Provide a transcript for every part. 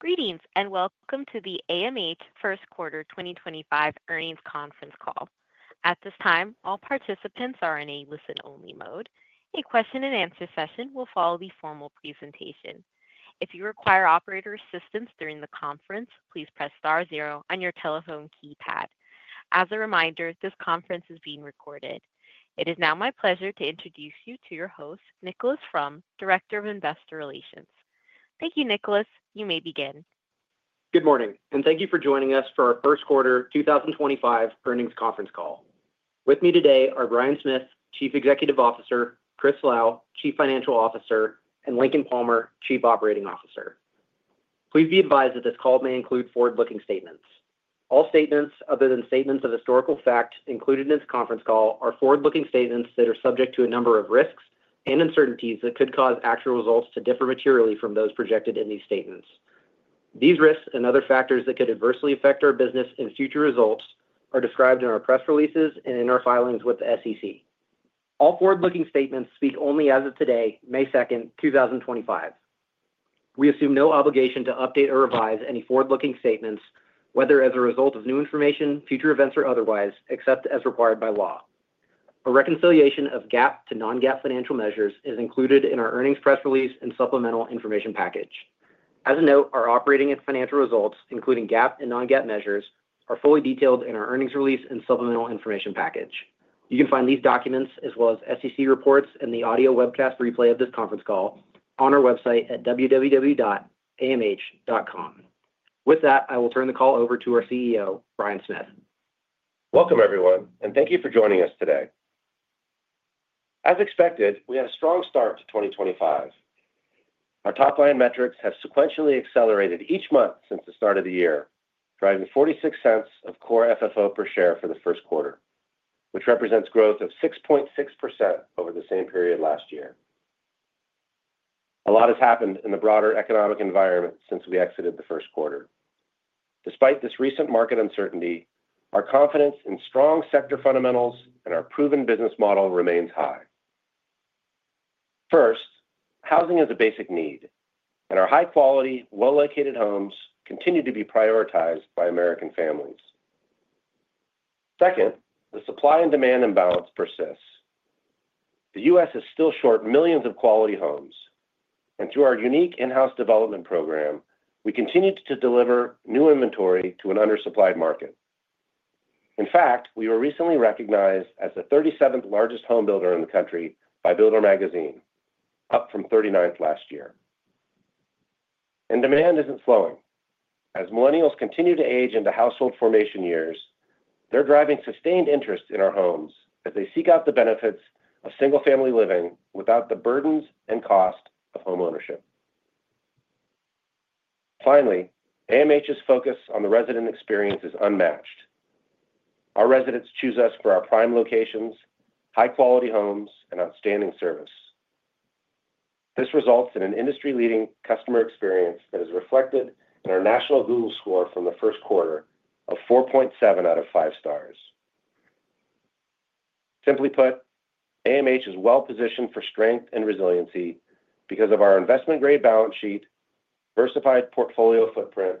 Greetings and welcome to the AMH First Quarter 2025 Earnings Conference Call. At this time, all participants are in a listen-only mode. A question-and-answer session will follow the formal presentation. If you require operator assistance during the conference, please press star zero on your telephone keypad. As a reminder, this conference is being recorded. It is now my pleasure to introduce you to your host, Nick Fromm, Director of Investor Relations. Thank you, Nick. You may begin. Good morning, and thank you for joining us for our First Quarter 2025 Earnings Conference Call. With me today are Bryan Smith, Chief Executive Officer; Chris Lau, Chief Financial Officer; and Lincoln Palmer, Chief Operating Officer. Please be advised that this call may include forward-looking statements. All statements other than statements of historical fact included in this conference call are forward-looking statements that are subject to a number of risks and uncertainties that could cause actual results to differ materially from those projected in these statements. These risks and other factors that could adversely affect our business and future results are described in our press releases and in our filings with the SEC. All forward-looking statements speak only as of today, May 2nd, 2025. We assume no obligation to update or revise any forward-looking statements, whether as a result of new information, future events, or otherwise, except as required by law. A reconciliation of GAAP to non-GAAP financial measures is included in our earnings press release and supplemental information package. As a note, our operating and financial results, including GAAP and non-GAAP measures, are fully detailed in our earnings release and supplemental information package. You can find these documents, as well as SEC reports and the audio webcast replay of this conference call, on our website at www.amh.com. With that, I will turn the call over to our CEO, Bryan Smith. Welcome, everyone, and thank you for joining us today. As expected, we had a strong start to 2025. Our top-line metrics have sequentially accelerated each month since the start of the year, driving $0.46 of Core FFO per share for the first quarter, which represents growth of 6.6% over the same period last year. A lot has happened in the broader economic environment since we exited the first quarter. Despite this recent market uncertainty, our confidence in strong sector fundamentals and our proven business model remains high. First, housing is a basic need, and our high-quality, well-located homes continue to be prioritized by American families. Second, the supply and demand imbalance persists. The U.S. is still short millions of quality homes, and through our unique in-house development program, we continue to deliver new inventory to an undersupplied market. In fact, we were recently recognized as the 37th largest home builder in the country by Builder Magazine, up from 39th last year. Demand isn't slowing. As millennials continue to age into household formation years, they're driving sustained interest in our homes as they seek out the benefits of single-family living without the burdens and cost of homeownership. Finally, AMH's focus on the resident experience is unmatched. Our residents choose us for our prime locations, high-quality homes, and outstanding service. This results in an industry-leading customer experience that is reflected in our national Google score from the first quarter of 4.7 out of 5 stars. Simply put, AMH is well-positioned for strength and resiliency because of our investment-grade balance sheet, diversified portfolio footprint,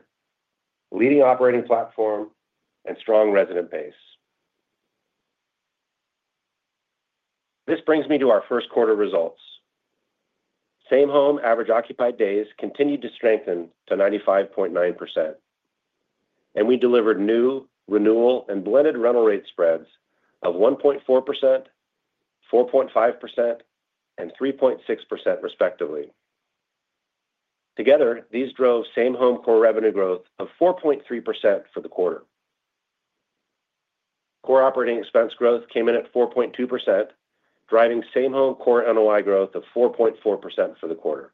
leading operating platform, and strong resident base. This brings me to our first quarter results. Same home average occupied days continued to strengthen to 95.9%, and we delivered new, renewal, and blended rental rate spreads of 1.4%, 4.5%, and 3.6% respectively. Together, these drove same home core revenue growth of 4.3% for the quarter. Core operating expense growth came in at 4.2%, driving same home core NOI growth of 4.4% for the quarter.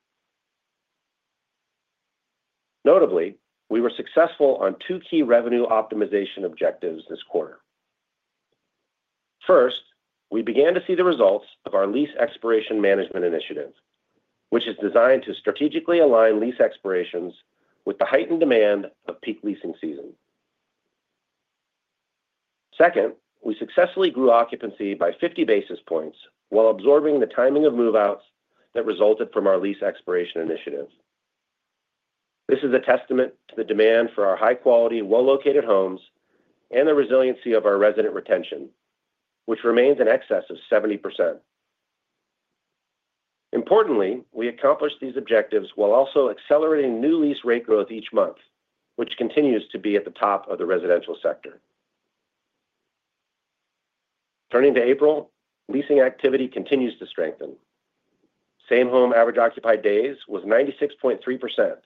Notably, we were successful on two key revenue optimization objectives this quarter. First, we began to see the results of our lease expiration management initiative, which is designed to strategically align lease expirations with the heightened demand of peak leasing season. Second, we successfully grew occupancy by 50 basis points while absorbing the timing of move-outs that resulted from our lease expiration initiative. This is a testament to the demand for our high-quality, well-located homes and the resiliency of our resident retention, which remains in excess of 70%. Importantly, we accomplished these objectives while also accelerating new lease rate growth each month, which continues to be at the top of the residential sector. Turning to April, leasing activity continues to strengthen. Same home average occupied days was 96.3%,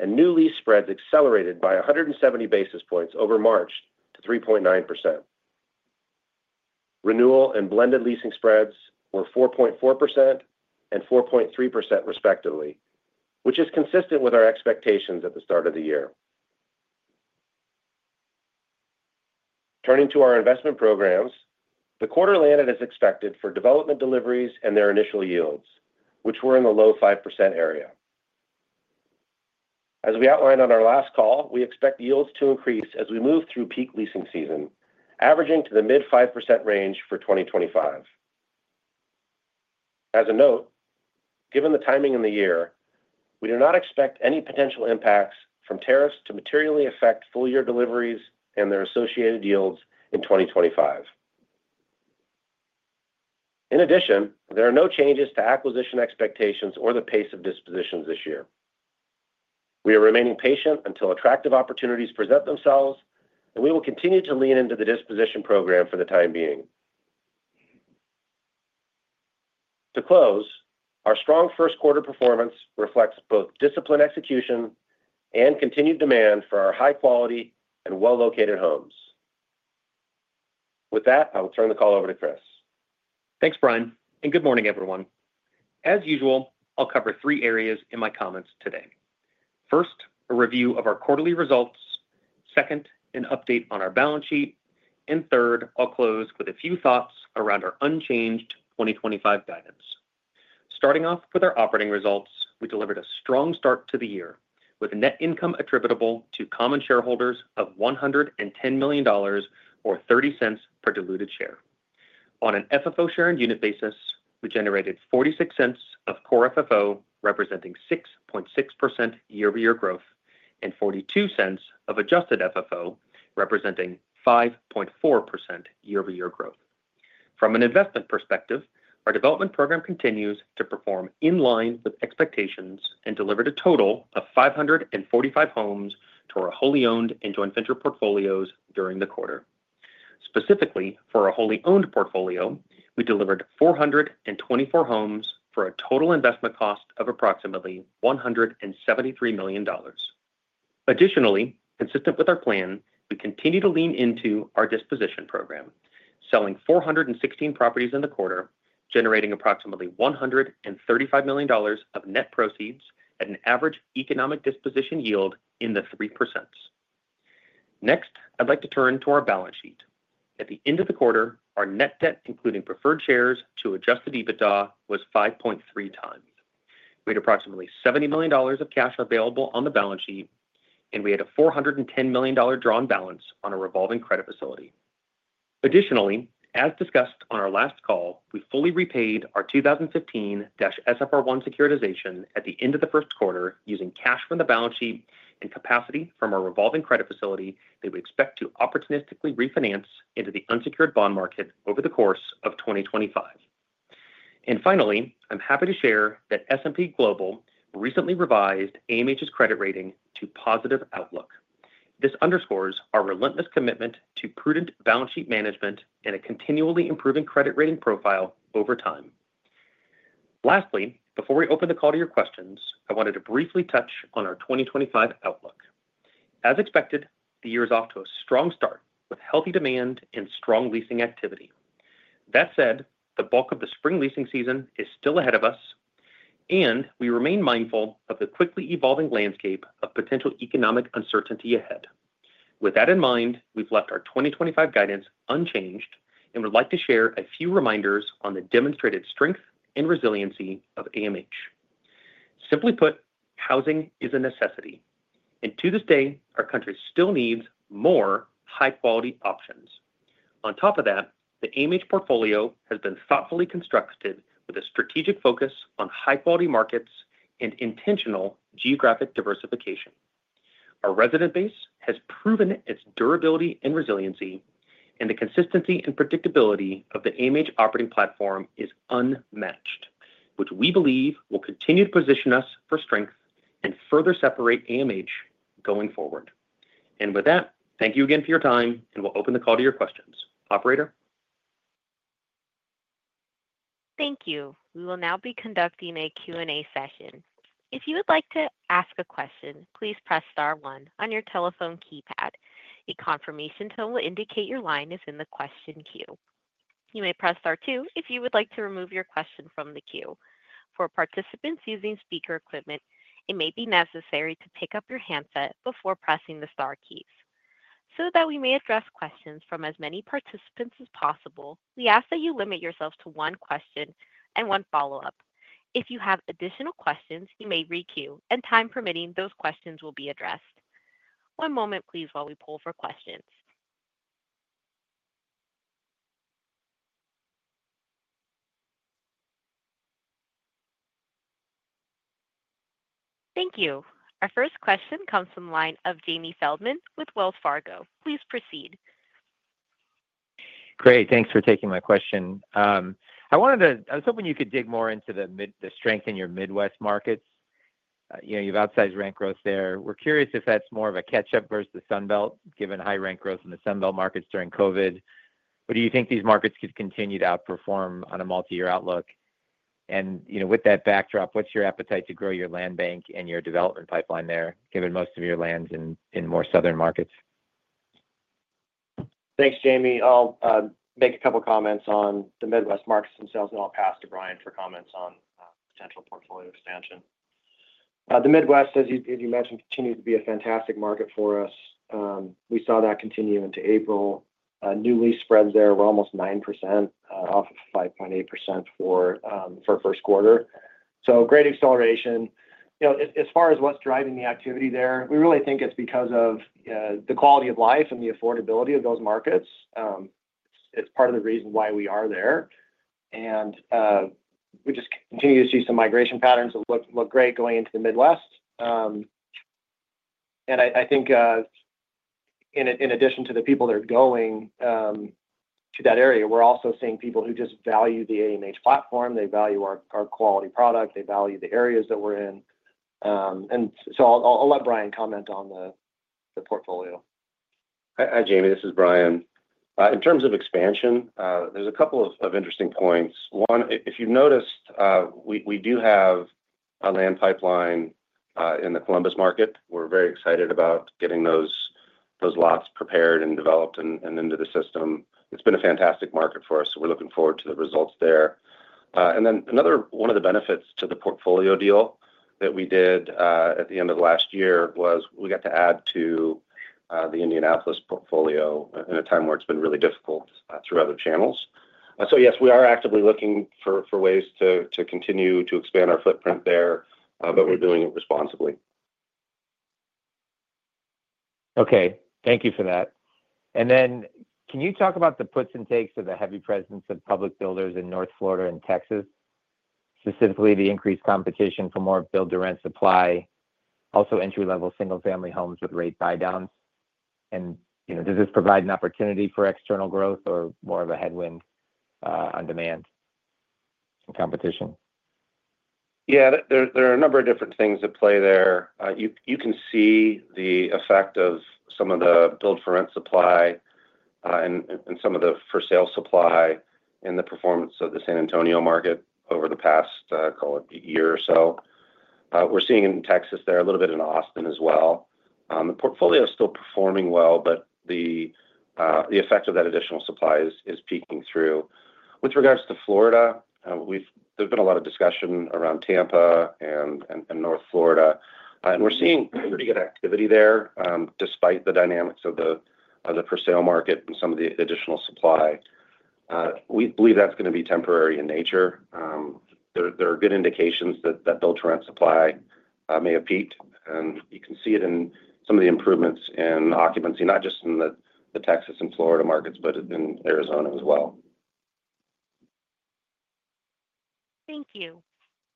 and new lease spreads accelerated by 170 basis points over March to 3.9%. Renewal and blended leasing spreads were 4.4% and 4.3% respectively, which is consistent with our expectations at the start of the year. Turning to our investment programs, the quarter landed as expected for development deliveries and their initial yields, which were in the low 5% area. As we outlined on our last call, we expect yields to increase as we move through peak leasing season, averaging to the mid-5% range for 2025. As a note, given the timing in the year, we do not expect any potential impacts from tariffs to materially affect full-year deliveries and their associated yields in 2025. In addition, there are no changes to acquisition expectations or the pace of dispositions this year. We are remaining patient until attractive opportunities present themselves, and we will continue to lean into the disposition program for the time being. To close, our strong first quarter performance reflects both disciplined execution and continued demand for our high-quality and well-located homes. With that, I will turn the call over to Chris. Thanks, Bryan, and good morning, everyone. As usual, I'll cover three areas in my comments today. First, a review of our quarterly results. Second, an update on our balance sheet. Third, I'll close with a few thoughts around our unchanged 2025 guidance. Starting off with our operating results, we delivered a strong start to the year with net income attributable to common shareholders of $110 million or $0.30 per diluted share. On an FFO share and unit basis, we generated $0.46 of Core FFO, representing 6.6% year-over-year growth, and $0.42 of Adjusted FFO, representing 5.4% year-over-year growth. From an investment perspective, our development program continues to perform in line with expectations and delivered a total of 545 homes to our wholly owned and joint venture portfolios during the quarter. Specifically, for our wholly owned portfolio, we delivered 424 homes for a total investment cost of approximately $173 million. Additionally, consistent with our plan, we continue to lean into our disposition program, selling 416 properties in the quarter, generating approximately $135 million of net proceeds at an average economic disposition yield in the 3%. Next, I'd like to turn to our balance sheet. At the end of the quarter, our net debt, including preferred shares to adjusted EBITDA, was 5.3x. We had approximately $70 million of cash available on the balance sheet, and we had a $410 million drawn balance on a revolving credit facility. Additionally, as discussed on our last call, we fully repaid our 2015-SFR1 securitization at the end of the first quarter using cash from the balance sheet and capacity from our revolving credit facility that we expect to opportunistically refinance into the unsecured bond market over the course of 2025. Finally, I'm happy to share that S&P Global recently revised AMH's credit rating to positive outlook. This underscores our relentless commitment to prudent balance sheet management and a continually improving credit rating profile over time. Lastly, before we open the call to your questions, I wanted to briefly touch on our 2025 outlook. As expected, the year is off to a strong start with healthy demand and strong leasing activity. That said, the bulk of the spring leasing season is still ahead of us, and we remain mindful of the quickly evolving landscape of potential economic uncertainty ahead. With that in mind, we've left our 2025 guidance unchanged and would like to share a few reminders on the demonstrated strength and resiliency of AMH. Simply put, housing is a necessity, and to this day, our country still needs more high-quality options. On top of that, the AMH portfolio has been thoughtfully constructed with a strategic focus on high-quality markets and intentional geographic diversification. Our resident base has proven its durability and resiliency, and the consistency and predictability of the AMH operating platform is unmatched, which we believe will continue to position us for strength and further separate AMH going forward. Thank you again for your time, and we'll open the call to your questions. Operator? Thank you. We will now be conducting a Q&A session. If you would like to ask a question, please press star one on your telephone keypad. A confirmation tone will indicate your line is in the question queue. You may press star two if you would like to remove your question from the queue. For participants using speaker equipment, it may be necessary to pick up your handset before pressing the star keys. So that we may address questions from as many participants as possible, we ask that you limit yourself to one question and one follow-up. If you have additional questions, you may re-queue, and time permitting, those questions will be addressed. One moment, please, while we pull for questions. Thank you. Our first question comes from the line of Jamie Feldman with Wells Fargo. Please proceed. Great. Thanks for taking my question. I was hoping you could dig more into the strength in your Midwest markets. You have outsized rent growth there. We're curious if that's more of a catch-up versus the Sunbelt, given high rent growth in the Sunbelt markets during COVID. Do you think these markets could continue to outperform on a multi-year outlook? With that backdrop, what's your appetite to grow your land bank and your development pipeline there, given most of your land's in more southern markets? Thanks, Jamie. I'll make a couple of comments on the Midwest markets themselves, and I'll pass to Bryan for comments on potential portfolio expansion. The Midwest, as you mentioned, continues to be a fantastic market for us. We saw that continue into April. New lease spreads there were almost 9% off of 5.8% for first quarter. Great acceleration. As far as what's driving the activity there, we really think it's because of the quality of life and the affordability of those markets. It's part of the reason why we are there. We just continue to see some migration patterns that look great going into the Midwest. I think in addition to the people that are going to that area, we're also seeing people who just value the AMH platform. They value our quality product. They value the areas that we're in. I'll let Bryan comment on the portfolio. Hi, Jamie. This is Bryan. In terms of expansion, there's a couple of interesting points. One, if you've noticed, we do have a land pipeline in the Columbus market. We're very excited about getting those lots prepared and developed and into the system. It's been a fantastic market for us, so we're looking forward to the results there. Another one of the benefits to the portfolio deal that we did at the end of last year was we got to add to the Indianapolis portfolio in a time where it's been really difficult through other channels. Yes, we are actively looking for ways to continue to expand our footprint there, but we're doing it responsibly. Okay. Thank you for that. Can you talk about the puts and takes of the heavy presence of public builders in North Florida and Texas? Specifically, the increased competition for more build-to-rent supply, also entry-level single-family homes with rate buy-downs. Does this provide an opportunity for external growth or more of a headwind on demand and competition? Yeah. There are a number of different things at play there. You can see the effect of some of the build-for-rent supply and some of the for-sale supply in the performance of the San Antonio market over the past, call it, year or so. We're seeing it in Texas there, a little bit in Austin as well. The portfolio is still performing well, but the effect of that additional supply is peeking through. With regards to Florida, there's been a lot of discussion around Tampa and North Florida. We are seeing pretty good activity there despite the dynamics of the for-sale market and some of the additional supply. We believe that's going to be temporary in nature. There are good indications that build-to-rent supply may have peaked. You can see it in some of the improvements in occupancy, not just in the Texas and Florida markets, but in Arizona as well. Thank you.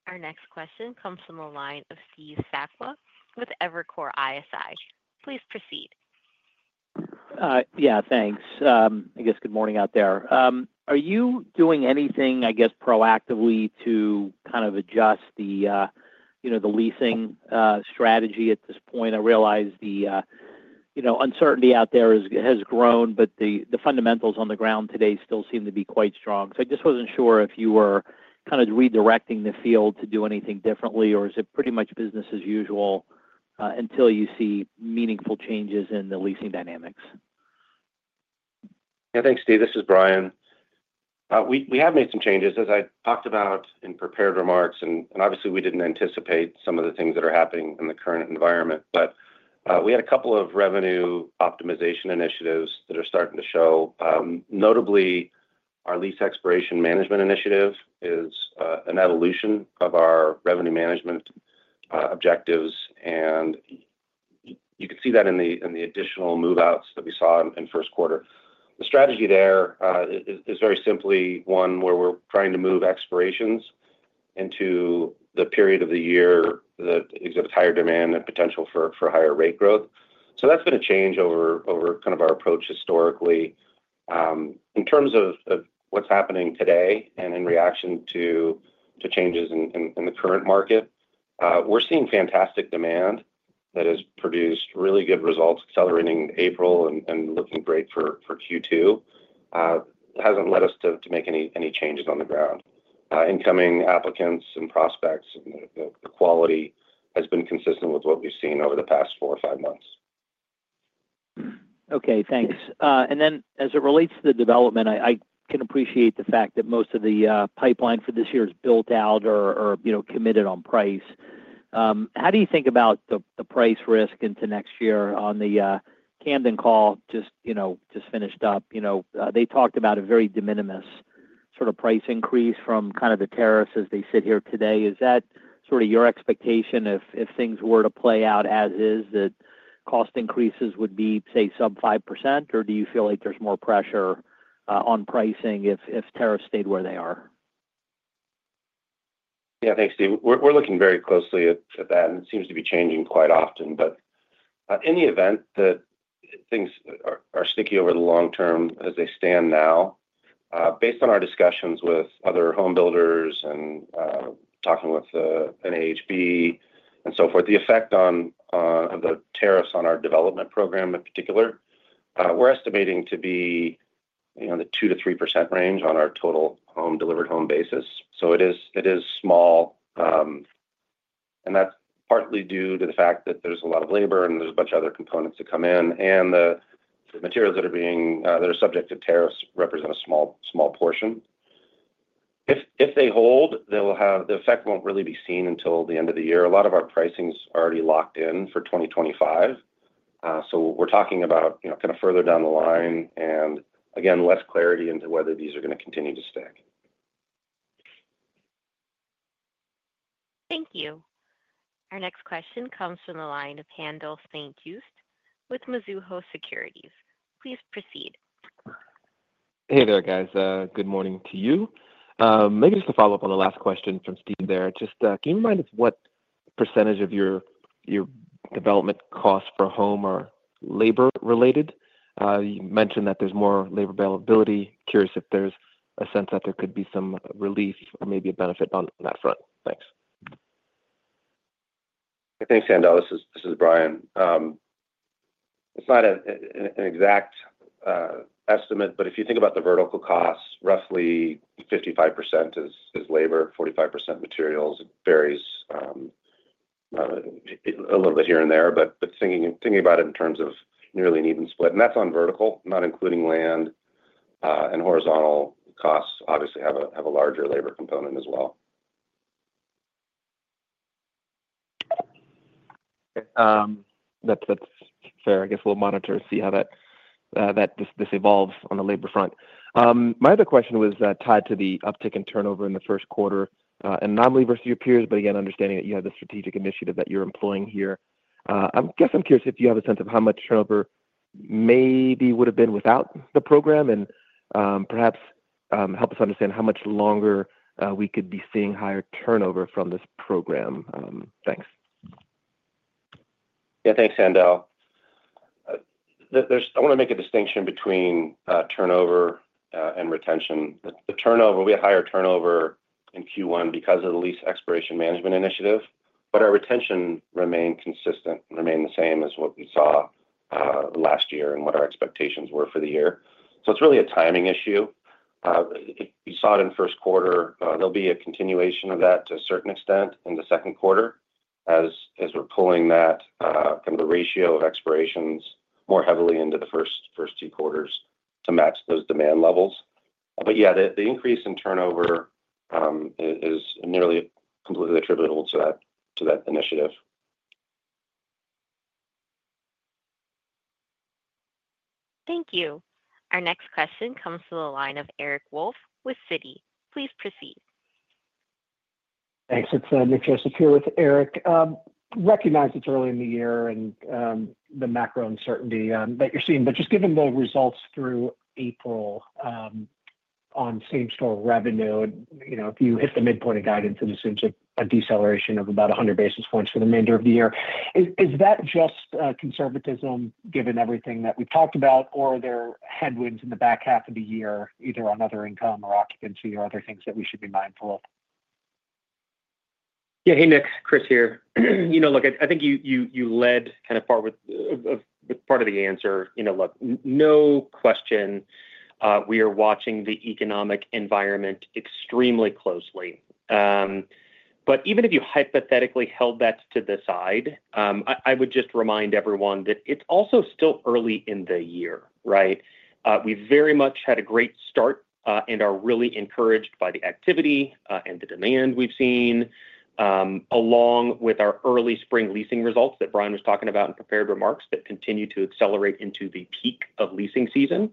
Our next question comes from the line of Steve Sakwa with Evercore ISI. Please proceed. Yeah. Thanks. I guess good morning out there. Are you doing anything, I guess, proactively to kind of adjust the leasing strategy at this point? I realize the uncertainty out there has grown, but the fundamentals on the ground today still seem to be quite strong. I just wasn't sure if you were kind of redirecting the field to do anything differently, or is it pretty much business as usual until you see meaningful changes in the leasing dynamics? Yeah. Thanks, Steve. This is Bryan. We have made some changes, as I talked about in prepared remarks. Obviously, we did not anticipate some of the things that are happening in the current environment. We had a couple of revenue optimization initiatives that are starting to show. Notably, our lease expiration management initiative is an evolution of our revenue management objectives. You can see that in the additional move-outs that we saw in first quarter. The strategy there is very simply one where we are trying to move expirations into the period of the year that exhibits higher demand and potential for higher rate growth. That has been a change over kind of our approach historically. In terms of what is happening today and in reaction to changes in the current market, we are seeing fantastic demand that has produced really good results, accelerating April and looking great for Q2. It hasn't led us to make any changes on the ground. Incoming applicants and prospects, the quality has been consistent with what we've seen over the past four or five months. Okay. Thanks. As it relates to the development, I can appreciate the fact that most of the pipeline for this year is built out or committed on price. How do you think about the price risk into next year? On the Camden call, just finished up, they talked about a very de minimis sort of price increase from kind of the tariffs as they sit here today. Is that sort of your expectation if things were to play out as is, that cost increases would be, say, sub 5%? Or do you feel like there's more pressure on pricing if tariffs stayed where they are? Yeah. Thanks, Steve. We're looking very closely at that, and it seems to be changing quite often. In the event that things are sticky over the long term as they stand now, based on our discussions with other home builders and talking with NAHB and so forth, the effect of the tariffs on our development program in particular, we're estimating to be in the 2%-3% range on our total delivered home basis. It is small. That's partly due to the fact that there's a lot of labor and there's a bunch of other components that come in. The materials that are subject to tariffs represent a small portion. If they hold, the effect won't really be seen until the end of the year. A lot of our pricing's already locked in for 2025. We're talking about kind of further down the line and, again, less clarity into whether these are going to continue to stick. Thank you. Our next question comes from the line of Haendel St. Juste with Mizuho Securities. Please proceed. Hey there, guys. Good morning to you. Maybe just to follow up on the last question from Steve there. Just can you remind us what percentage of your development costs for home are labor-related? You mentioned that there's more labor availability. Curious if there's a sense that there could be some relief or maybe a benefit on that front. Thanks. Thanks, Haendel. This is Bryan. It's not an exact estimate, but if you think about the vertical costs, roughly 55% is labor, 45% materials. It varies a little bit here and there, but thinking about it in terms of nearly an even split. That is on vertical, not including land. Horizontal costs obviously have a larger labor component as well. Okay. That's fair. I guess we'll monitor and see how this evolves on the labor front. My other question was tied to the uptick in turnover in the first quarter. Not only versus your peers, but again, understanding that you have the strategic initiative that you're employing here. I guess I'm curious if you have a sense of how much turnover maybe would have been without the program and perhaps help us understand how much longer we could be seeing higher turnover from this program? Thanks. Yeah. Thanks, Haendel. I want to make a distinction between turnover and retention. We had higher turnover in Q1 because of the lease expiration management initiative, but our retention remained consistent, remained the same as what we saw last year and what our expectations were for the year. It is really a timing issue. You saw it in first quarter. There'll be a continuation of that to a certain extent in the second quarter as we're pulling that kind of the ratio of expirations more heavily into the first two quarters to match those demand levels. Yeah, the increase in turnover is nearly completely attributable to that initiative. Thank you. Our next question comes from the line of Eric Wolf with Citi. Please proceed. Thanks. It's Nick Joseph here with Eric. Recognize it's early in the year and the macro uncertainty that you're seeing. Just given the results through April on same-store revenue, if you hit the midpoint of guidance, it assumes a deceleration of about 100 basis points for the remainder of the year. Is that just conservatism given everything that we've talked about, or are there headwinds in the back half of the year, either on other income or occupancy or other things that we should be mindful of? Yeah. Hey, Nick. Chris here. Look, I think you led kind of part of the answer. Look, no question, we are watching the economic environment extremely closely. Even if you hypothetically held that to the side, I would just remind everyone that it's also still early in the year, right? We've very much had a great start and are really encouraged by the activity and the demand we've seen, along with our early spring leasing results that Bryan was talking about in prepared remarks that continue to accelerate into the peak of leasing season.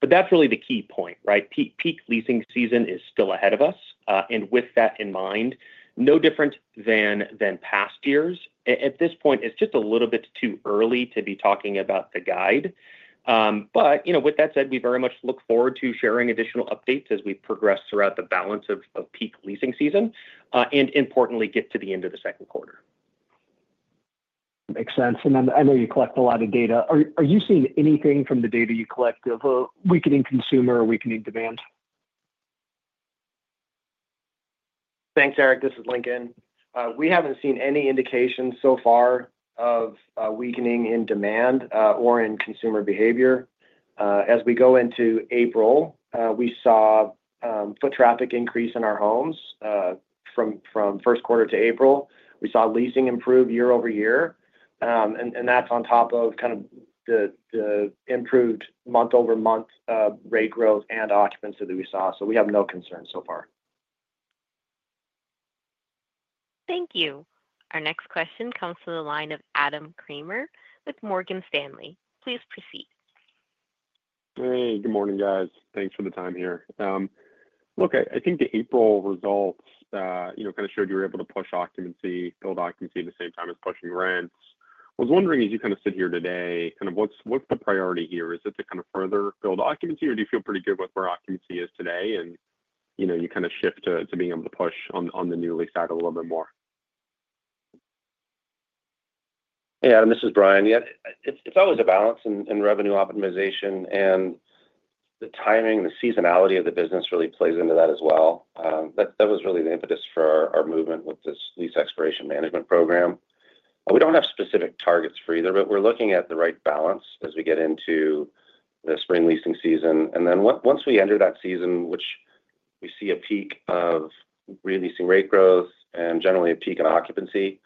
That is really the key point, right? Peak leasing season is still ahead of us. With that in mind, no different than past years. At this point, it's just a little bit too early to be talking about the guide. We very much look forward to sharing additional updates as we progress throughout the balance of peak leasing season and, importantly, get to the end of the second quarter. Makes sense. I know you collect a lot of data. Are you seeing anything from the data you collect of a weakening consumer or weakening demand? Thanks, Eric. This is Lincoln. We haven't seen any indications so far of weakening in demand or in consumer behavior. As we go into April, we saw foot traffic increase in our homes from first quarter to April. We saw leasing improve year-over-year. That is on top of kind of the improved month-over-month rate growth and occupancy that we saw. We have no concerns so far. Thank you. Our next question comes from the line of Adam Kramer with Morgan Stanley. Please proceed. Hey. Good morning, guys. Thanks for the time here. Look, I think the April results kind of showed you were able to push occupancy, build occupancy at the same time as pushing rents. I was wondering, as you kind of sit here today, kind of what's the priority here? Is it to kind of further build occupancy or do you feel pretty good with where occupancy is today and you kind of shift to being able to push on the new lease side a little bit more? Hey, Adam. This is Bryan. It's always a balance in revenue optimization. The timing and the seasonality of the business really plays into that as well. That was really the impetus for our movement with this lease expiration management program. We don't have specific targets for either, but we're looking at the right balance as we get into the spring leasing season. Once we enter that season, which we see a peak of releasing rate growth and generally a peak in occupancy,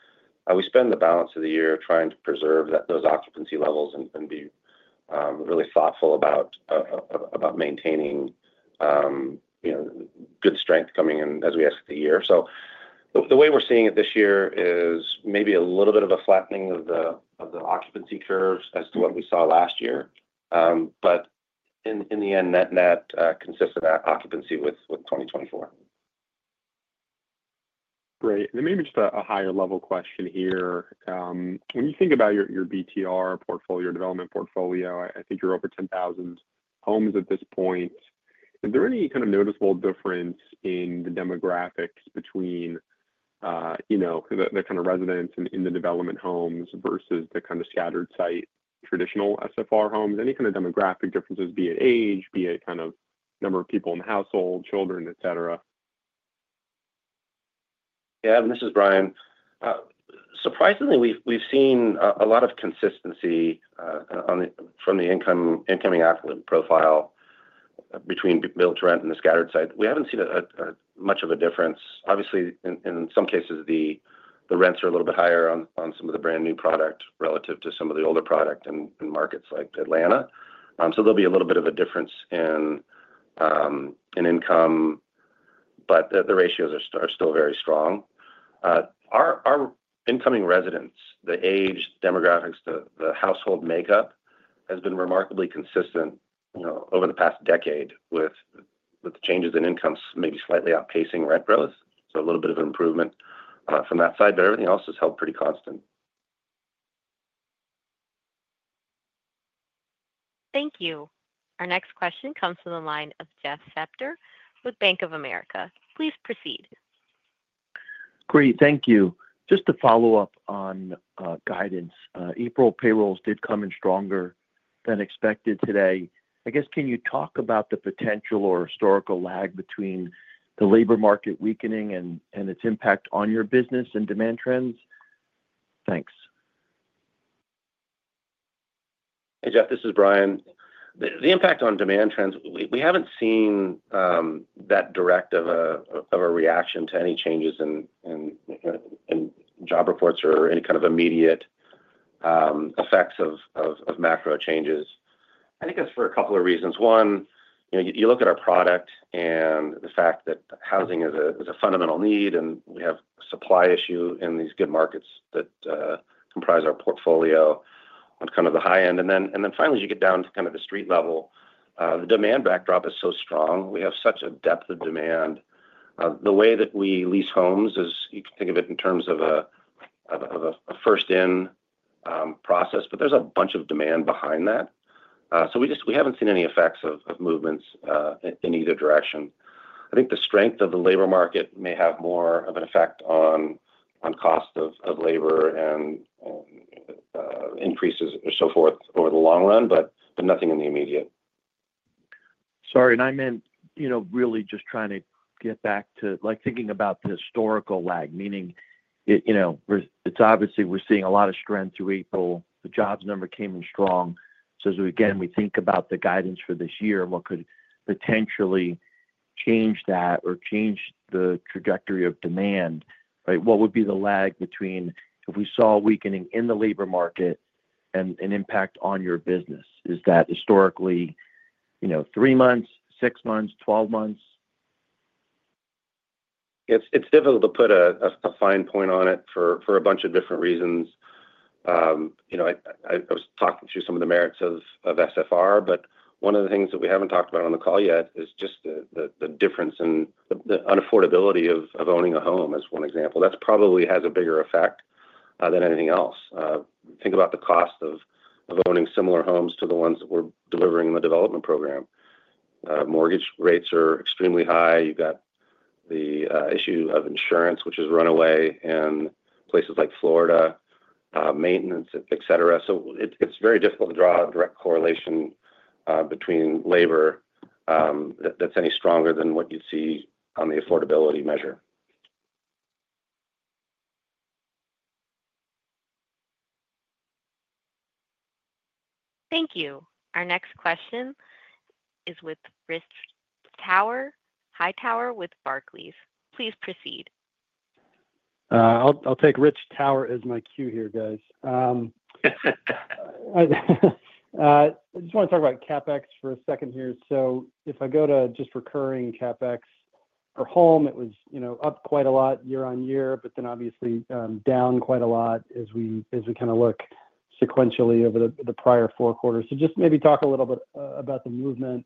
we spend the balance of the year trying to preserve those occupancy levels and be really thoughtful about maintaining good strength coming in as we exit the year. The way we are seeing it this year is maybe a little bit of a flattening of the occupancy curves as to what we saw last year. In the end, net net consistent occupancy with 2024. Great. Maybe just a higher-level question here. When you think about your BTR portfolio, your development portfolio, I think you're over 10,000 homes at this point. Is there any kind of noticeable difference in the demographics between the kind of residents in the development homes versus the kind of scattered-site traditional SFR homes? Any kind of demographic differences, be it age, be it kind of number of people in the household, children, etc.? Yeah. This is Bryan. Surprisingly, we've seen a lot of consistency from the incoming affluent profile between build-to-rent and the scattered site. We haven't seen much of a difference. Obviously, in some cases, the rents are a little bit higher on some of the brand new product relative to some of the older product in markets like Atlanta. There'll be a little bit of a difference in income, but the ratios are still very strong. Our incoming residents, the age, demographics, the household makeup has been remarkably consistent over the past decade with changes in incomes maybe slightly outpacing rent growth. A little bit of an improvement from that side. Everything else has held pretty constant. Thank you. Our next question comes from the line of Jeff Spector with Bank of America. Please proceed. Great. Thank you. Just to follow up on guidance, April payrolls did come in stronger than expected today. I guess, can you talk about the potential or historical lag between the labor market weakening and its impact on your business and demand trends? Thanks. Hey, Jeff. This is Bryan. The impact on demand trends, we haven't seen that direct of a reaction to any changes in job reports or any kind of immediate effects of macro changes. I think that's for a couple of reasons. One, you look at our product and the fact that housing is a fundamental need and we have a supply issue in these good markets that comprise our portfolio on kind of the high end. Finally, as you get down to kind of the street level, the demand backdrop is so strong. We have such a depth of demand. The way that we lease homes is you can think of it in terms of a first-in process, but there's a bunch of demand behind that. We haven't seen any effects of movements in either direction. I think the strength of the labor market may have more of an effect on cost of labor and increases and so forth over the long run, but nothing in the immediate. Sorry. I meant really just trying to get back to thinking about the historical lag, meaning it's obviously we're seeing a lot of strength through April. The jobs number came in strong. We think about the guidance for this year and what could potentially change that or change the trajectory of demand, right? What would be the lag between if we saw a weakening in the labor market and an impact on your business? Is that historically three months, six months, twelve months? It's difficult to put a fine point on it for a bunch of different reasons. I was talking through some of the merits of SFR, but one of the things that we haven't talked about on the call yet is just the difference in the unaffordability of owning a home as one example. That probably has a bigger effect than anything else. Think about the cost of owning similar homes to the ones that we're delivering in the development program. Mortgage rates are extremely high. You've got the issue of insurance, which is runaway in places like Florida, maintenance, etc. It's very difficult to draw a direct correlation between labor that's any stronger than what you'd see on the affordability measure. Thank you. Our next question is with Rich Hightower with Barclays. Please proceed. I'll take Rich Tower as my cue here, guys. I just want to talk about CapEx for a second here. If I go to just recurring CapEx per home, it was up quite a lot year-on-year, but then obviously down quite a lot as we kind of look sequentially over the prior four quarters. Just maybe talk a little bit about the movement,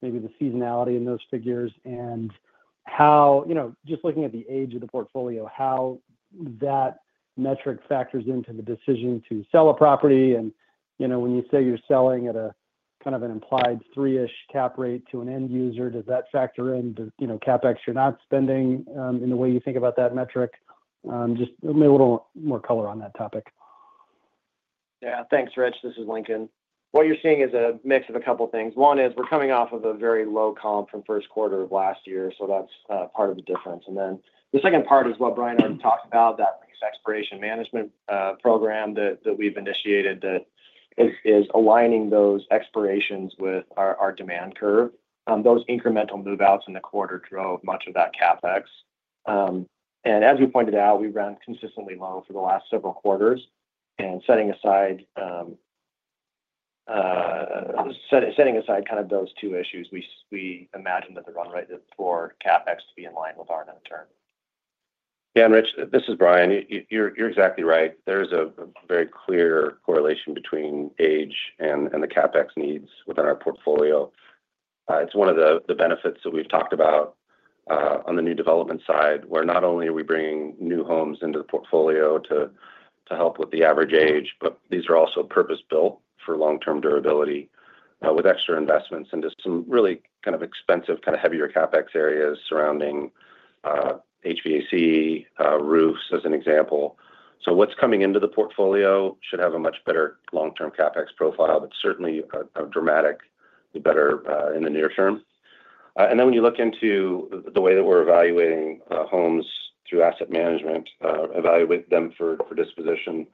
maybe the seasonality in those figures, and just looking at the age of the portfolio, how that metric factors into the decision to sell a property. When you say you're selling at a kind of an implied three-ish cap-rate to an end user, does that factor into CapEx you're not spending in the way you think about that metric? Just maybe a little more color on that topic. Yeah. Thanks, Rich. This is Lincoln. What you're seeing is a mix of a couple of things. One is we're coming off of a very low comp from first quarter of last year. That's part of the difference. The second part is what Bryan already talked about, that lease expiration management program that we've initiated that is aligning those expirations with our demand curve. Those incremental move-outs in the quarter drove much of that CapEx. As we pointed out, we ran consistently low for the last several quarters. Setting aside kind of those two issues, we imagine that the run rate for CapEx to be in line with our net turn. Yeah. Rich, this is Bryan. You're exactly right. There is a very clear correlation between age and the CapEx needs within our portfolio. It's one of the benefits that we've talked about on the new development side where not only are we bringing new homes into the portfolio to help with the average age, but these are also purpose-built for long-term durability with extra investments into some really kind of expensive, kind of heavier CapEx areas surrounding HVAC roofs as an example. What's coming into the portfolio should have a much better long-term CapEx profile, but certainly a dramatically better in the near term. When you look into the way that we're evaluating homes through asset management, evaluate them for disposition,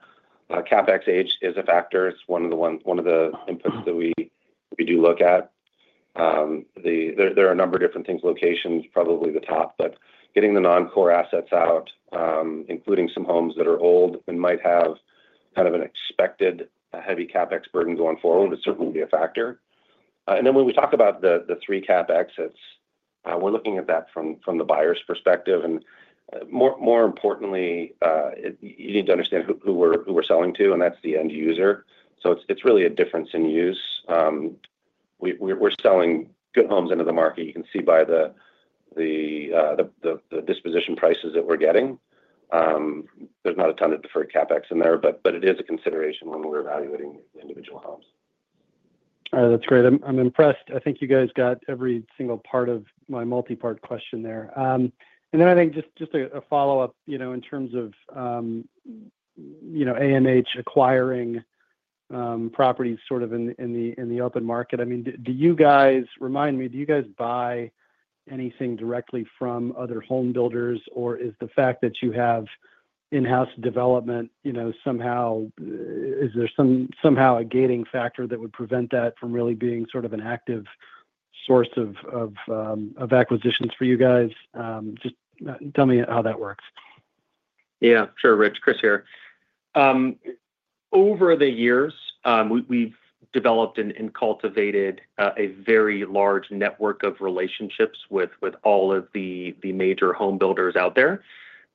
CapEx age is a factor. It's one of the inputs that we do look at. There are a number of different things. Location is probably the top, but getting the non-core assets out, including some homes that are old and might have kind of an expected heavy CapEx burden going forward, would certainly be a factor. When we talk about the three CapEx, we're looking at that from the buyer's perspective. More importantly, you need to understand who we're selling to, and that's the end user. It is really a difference in use. We're selling good homes into the market. You can see by the disposition prices that we're getting. There's not a ton of deferred CapEx in there, but it is a consideration when we're evaluating individual homes. That's great. I'm impressed. I think you guys got every single part of my multi-part question there. I think just a follow-up in terms of AMH acquiring properties sort of in the open market. I mean, do you guys, remind me, do you guys buy anything directly from other home builders, or is the fact that you have in-house development somehow, is there somehow a gating factor that would prevent that from really being sort of an active source of acquisitions for you guys? Just tell me how that works. Yeah. Sure. Rich, Chris here. Over the years, we've developed and cultivated a very large network of relationships with all of the major home builders out there.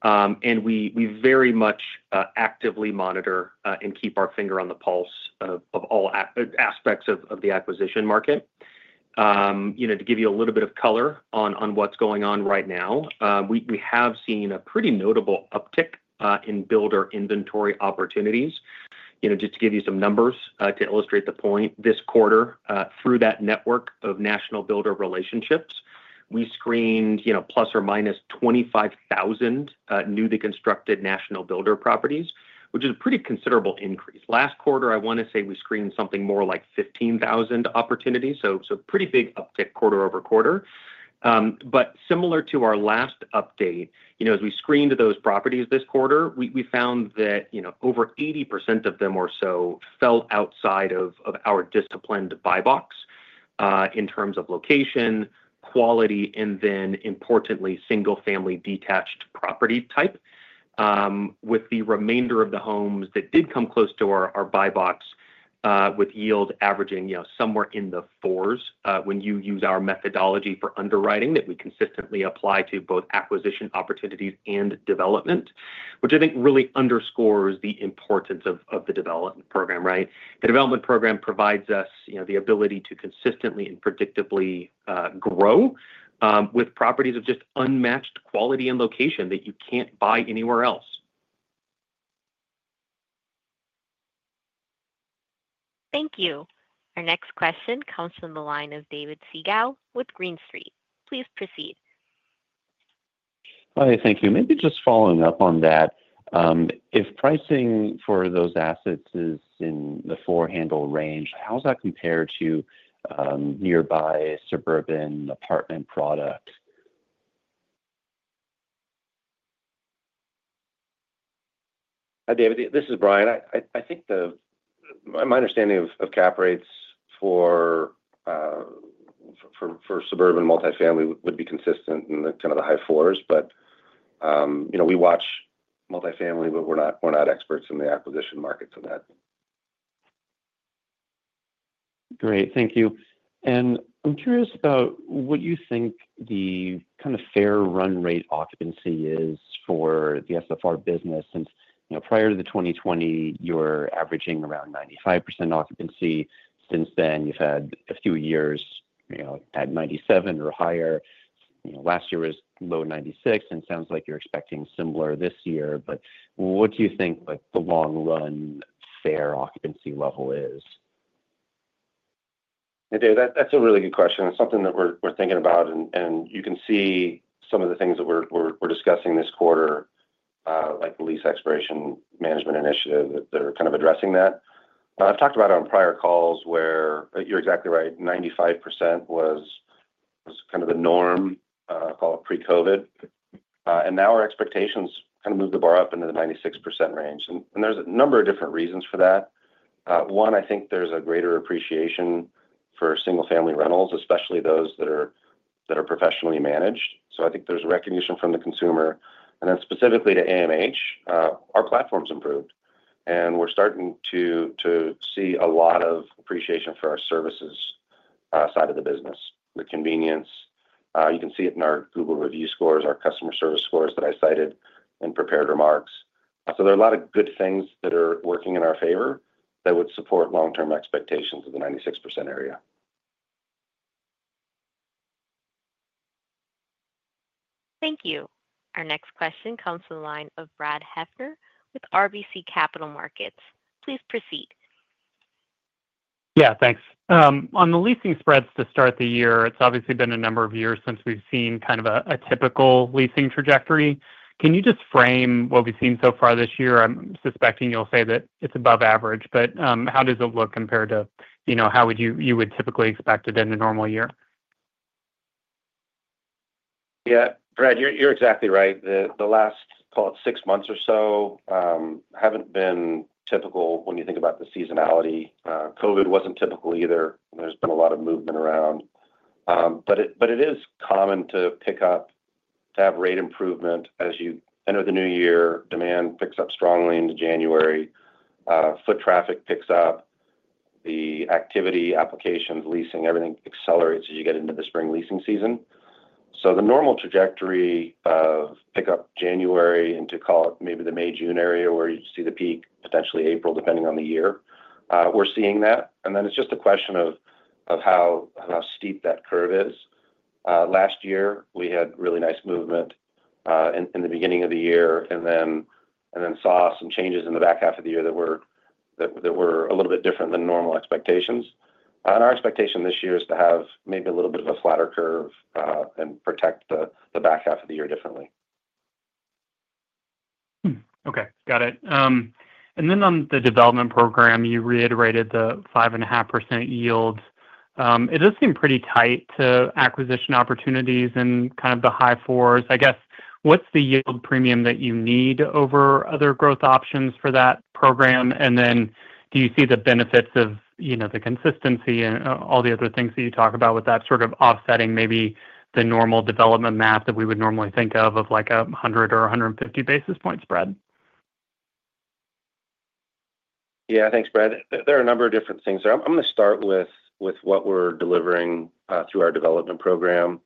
We very much actively monitor and keep our finger on the pulse of all aspects of the acquisition market. To give you a little bit of color on what's going on right now, we have seen a pretty notable uptick in builder inventory opportunities. Just to give you some numbers to illustrate the point, this quarter, through that network of national builder relationships, we screened ±25,000 newly constructed national builder properties, which is a pretty considerable increase. Last quarter, I want to say we screened something more like 15,000 opportunities. Pretty big uptick quarter-over-quarter. Similar to our last update, as we screened those properties this quarter, we found that over 80% of them or so fell outside of our disciplined buy box in terms of location, quality, and then importantly, single-family detached property type. With the remainder of the homes that did come close to our buy box with yield averaging somewhere in the fours when you use our methodology for underwriting that we consistently apply to both acquisition opportunities and development, which I think really underscores the importance of the development program, right? The development program provides us the ability to consistently and predictably grow with properties of just unmatched quality and location that you can't buy anywhere else. Thank you. Our next question comes from the line of David Segall with Green Street. Please proceed. Hi. Thank you. Maybe just following up on that. If pricing for those assets is in the four-handle range, how's that compared to nearby suburban apartment product? Hi, David. This is Bryan. I think my understanding of CapEx for suburban multifamily would be consistent in kind of the high fours. We watch multifamily, but we're not experts in the acquisition market for that. Great. Thank you. I'm curious about what you think the kind of fair run rate occupancy is for the SFR business. Since prior to 2020, you were averaging around 95% occupancy. Since then, you've had a few years at 97% or higher. Last year was low 96%, and it sounds like you're expecting similar this year. What do you think the long-run fair occupancy level is? Hey, David. That's a really good question. It's something that we're thinking about, and you can see some of the things that we're discussing this quarter, like the lease expiration management initiative that they're kind of addressing that. I've talked about it on prior calls where you're exactly right. 95% was kind of the norm, call it pre-COVID. Now our expectations kind of move the bar up into the 96% range. There are a number of different reasons for that. One, I think there's a greater appreciation for single-family rentals, especially those that are professionally managed. I think there's recognition from the consumer. Then specifically to AMH, our platform's improved, and we're starting to see a lot of appreciation for our services side of the business, the convenience. You can see it in our Google review scores, our customer service scores that I cited in prepared remarks. There are a lot of good things that are working in our favor that would support long-term expectations of the 96% area. Thank you. Our next question comes from the line of Brad Heffern with RBC Capital Markets. Please proceed. Yeah. Thanks. On the leasing spreads to start the year, it's obviously been a number of years since we've seen kind of a typical leasing trajectory. Can you just frame what we've seen so far this year? I'm suspecting you'll say that it's above average, but how does it look compared to how you would typically expect it in a normal year? Yeah. Brad, you're exactly right. The last, call it, six months or so haven't been typical when you think about the seasonality. COVID wasn't typical either. There's been a lot of movement around. It is common to pick up, to have rate improvement as you enter the new year. Demand picks up strongly into January. Foot traffic picks up. The activity, applications, leasing, everything accelerates as you get into the spring leasing season. The normal trajectory of pickup January into, call it, maybe the May, June area where you see the peak, potentially April, depending on the year. We're seeing that. It is just a question of how steep that curve is. Last year, we had really nice movement in the beginning of the year and then saw some changes in the back half of the year that were a little bit different than normal expectations. Our expectation this year is to have maybe a little bit of a flatter curve and protect the back half of the year differently. Okay. Got it. On the development program, you reiterated the 5.5% yield. It does seem pretty tight to acquisition opportunities in kind of the high fours. I guess, what's the yield premium that you need over other growth options for that program? Do you see the benefits of the consistency and all the other things that you talk about with that sort of offsetting maybe the normal development math that we would normally think of, like a 100 or 150 basis point spread? Yeah. Thanks, Brad. There are a number of different things there. I'm going to start with what we're delivering through our development program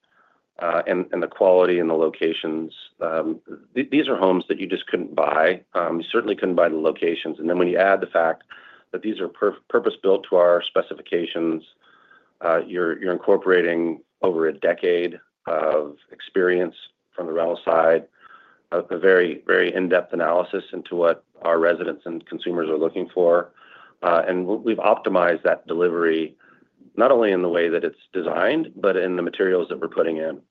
and the quality and the locations. These are homes that you just couldn't buy. You certainly couldn't buy the locations. When you add the fact that these are purpose-built to our specifications, you're incorporating over a decade of experience from the rental side, a very in-depth analysis into what our residents and consumers are looking for. We've optimized that delivery not only in the way that it's designed, but in the materials that we're putting in.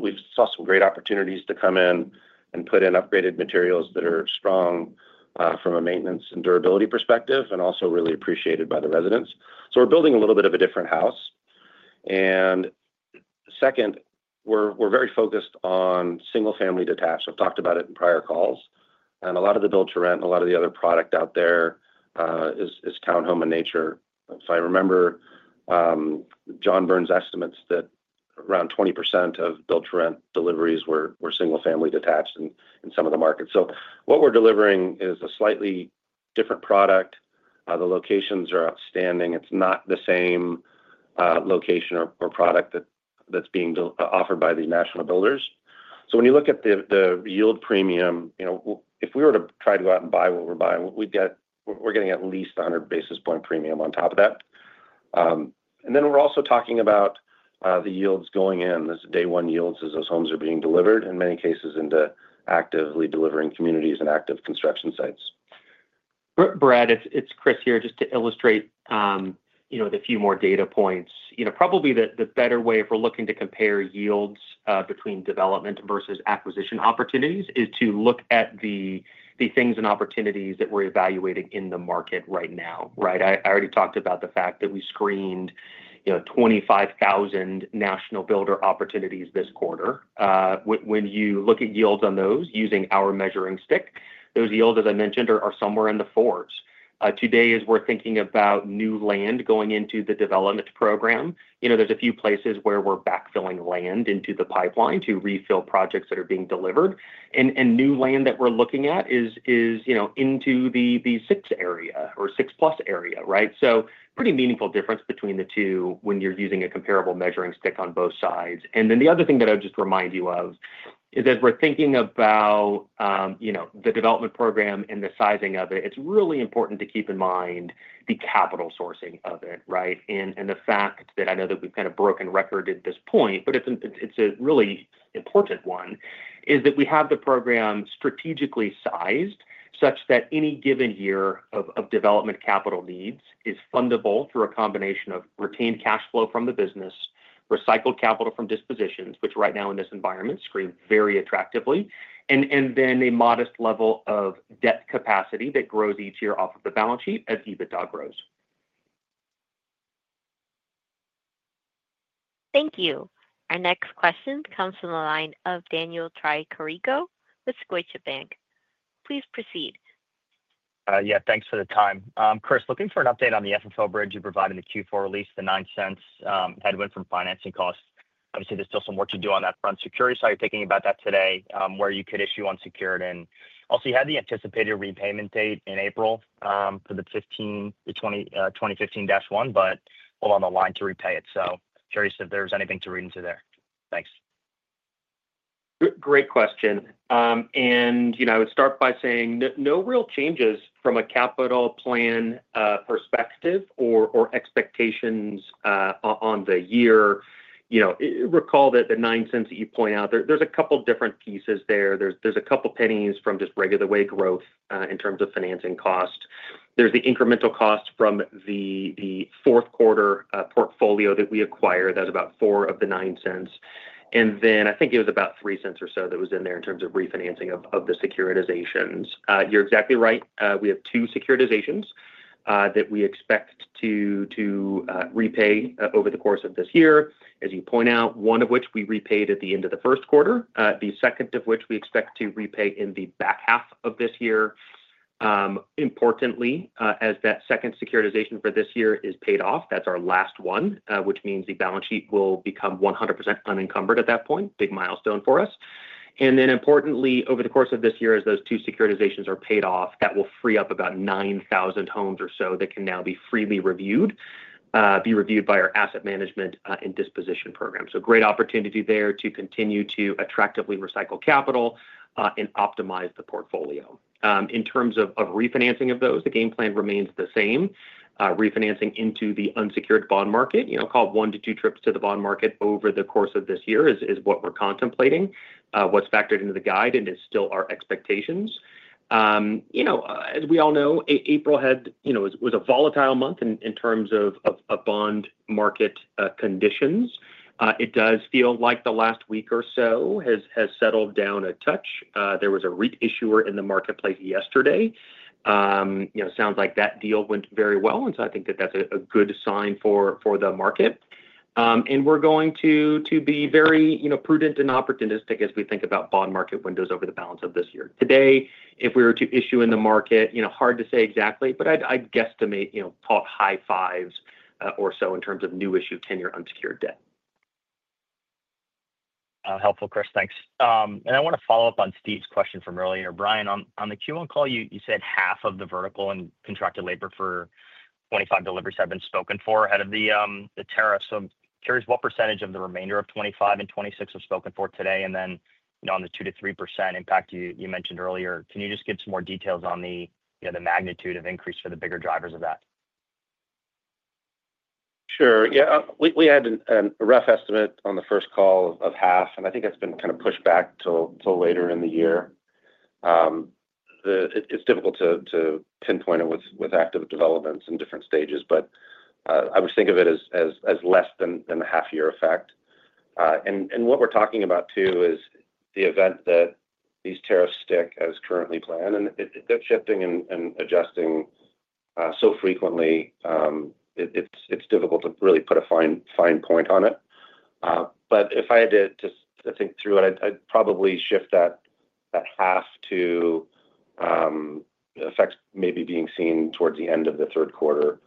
We saw some great opportunities to come in and put in upgraded materials that are strong from a maintenance and durability perspective and also really appreciated by the residents. We're building a little bit of a different house. Second, we're very focused on single-family detached. I've talked about it in prior calls. A lot of the build-to-rent and a lot of the other product out there is townhome in nature. If I remember John Byrne's estimates, around 20% of build-to-rent deliveries were single-family detached in some of the markets. What we're delivering is a slightly different product. The locations are outstanding. It's not the same location or product that's being offered by the national builders. When you look at the yield premium, if we were to try to go out and buy what we're buying, we're getting at least 100 basis point premium on top of that. We're also talking about the yields going in. There are day-one yields as those homes are being delivered, in many cases, into actively delivering communities and active construction sites. Brad, it's Chris here just to illustrate with a few more data points. Probably the better way if we're looking to compare yields between development versus acquisition opportunities is to look at the things and opportunities that we're evaluating in the market right now, right? I already talked about the fact that we screened 25,000 national builder opportunities this quarter. When you look at yields on those using our measuring stick, those yields, as I mentioned, are somewhere in the fours. Today as we're thinking about new land going into the development program, there's a few places where we're backfilling land into the pipeline to refill projects that are being delivered. And new land that we're looking at is into the six area or six-plus area, right? So pretty meaningful difference between the two when you're using a comparable measuring stick on both sides. The other thing that I would just remind you of is as we're thinking about the development program and the sizing of it, it's really important to keep in mind the capital sourcing of it, right? The fact that I know that we've kind of broken record at this point, but it's a really important one, is that we have the program strategically sized such that any given year of development capital needs is fundable through a combination of retained cash flow from the business, recycled capital from dispositions, which right now in this environment scream very attractively, and then a modest level of debt capacity that grows each year off of the balance sheet as EBITDA grows. Thank you. Our next question comes from the line of Daniel Tricarico with Scotiabank. Please proceed. Yeah. Thanks for the time. Chris, looking for an update on the FFO bridge you provided in the Q4 release, the $0.09 headwind from financing costs. Obviously, there's still some work to do on that front. Curious how you're thinking about that today, where you could issue unsecured. Also, you had the anticipated repayment date in April for the 2015-1, but we're on the line to repay it. Curious if there's anything to read into there. Thanks. Great question. I would start by saying no real changes from a capital plan perspective or expectations on the year. Recall that the $0.09 that you point out, there are a couple of different pieces there. There are a couple of pennies from just regular way growth in terms of financing cost. There is the incremental cost from the fourth quarter portfolio that we acquired. That is about four of the $0.09. I think it was about $0.03 or so that was in there in terms of refinancing of the securitizations. You are exactly right. We have two securitizations that we expect to repay over the course of this year, as you point out, one of which we repaid at the end of the first quarter, the second of which we expect to repay in the back half of this year. Importantly, as that second securitization for this year is paid off, that's our last one, which means the balance sheet will become 100% unencumbered at that point. Big milestone for us. Importantly, over the course of this year, as those two securitizations are paid off, that will free up about 9,000 homes or so that can now be freely reviewed, be reviewed by our asset management and disposition program. Great opportunity there to continue to attractively recycle capital and optimize the portfolio. In terms of refinancing of those, the game plan remains the same. Refinancing into the unsecured bond market, call it one to two trips to the bond market over the course of this year is what we're contemplating, what's factored into the guide, and is still our expectations. As we all know, April was a volatile month in terms of bond market conditions. It does feel like the last week or so has settled down a touch. There was a re-issuer in the marketplace yesterday. Sounds like that deal went very well. I think that that's a good sign for the market. We're going to be very prudent and opportunistic as we think about bond market windows over the balance of this year. Today, if we were to issue in the market, hard to say exactly, but I'd guesstimate taught high fives or so in terms of new issue, 10-year unsecured debt. Helpful, Chris. Thanks. I want to follow up on Steve's question from earlier. Bryan, on the Q1 call, you said half of the vertical and contracted labor for 2025 deliveries have been spoken for ahead of the tariff. I am curious what percentage of the remainder of 2025 and 2026 was spoken for today. On the 2%-3% impact you mentioned earlier, can you just give some more details on the magnitude of increase for the bigger drivers of that? Sure. Yeah. We had a rough estimate on the first call of half, and I think it's been kind of pushed back till later in the year. It's difficult to pinpoint it with active developments in different stages, but I would think of it as less than a half-year effect. What we're talking about too is the event that these tariffs stick as currently planned. They're shifting and adjusting so frequently, it's difficult to really put a fine point on it. If I had to think through it, I'd probably shift that half to effects maybe being seen towards the end of the third quarter.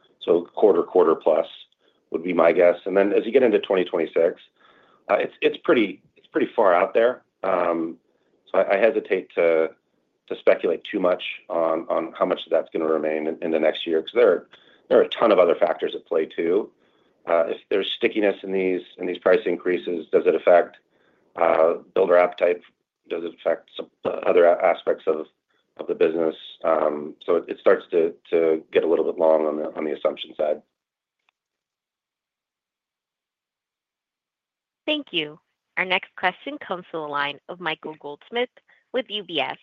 Quarter, quarter-plus would be my guess. As you get into 2026, it's pretty far out there. I hesitate to speculate too much on how much of that's going to remain in the next year because there are a ton of other factors at play too. If there's stickiness in these price increases, does it affect builder appetite? Does it affect other aspects of the business? It starts to get a little bit long on the assumption side. Thank you. Our next question comes from the line of Michael Goldsmith with UBS.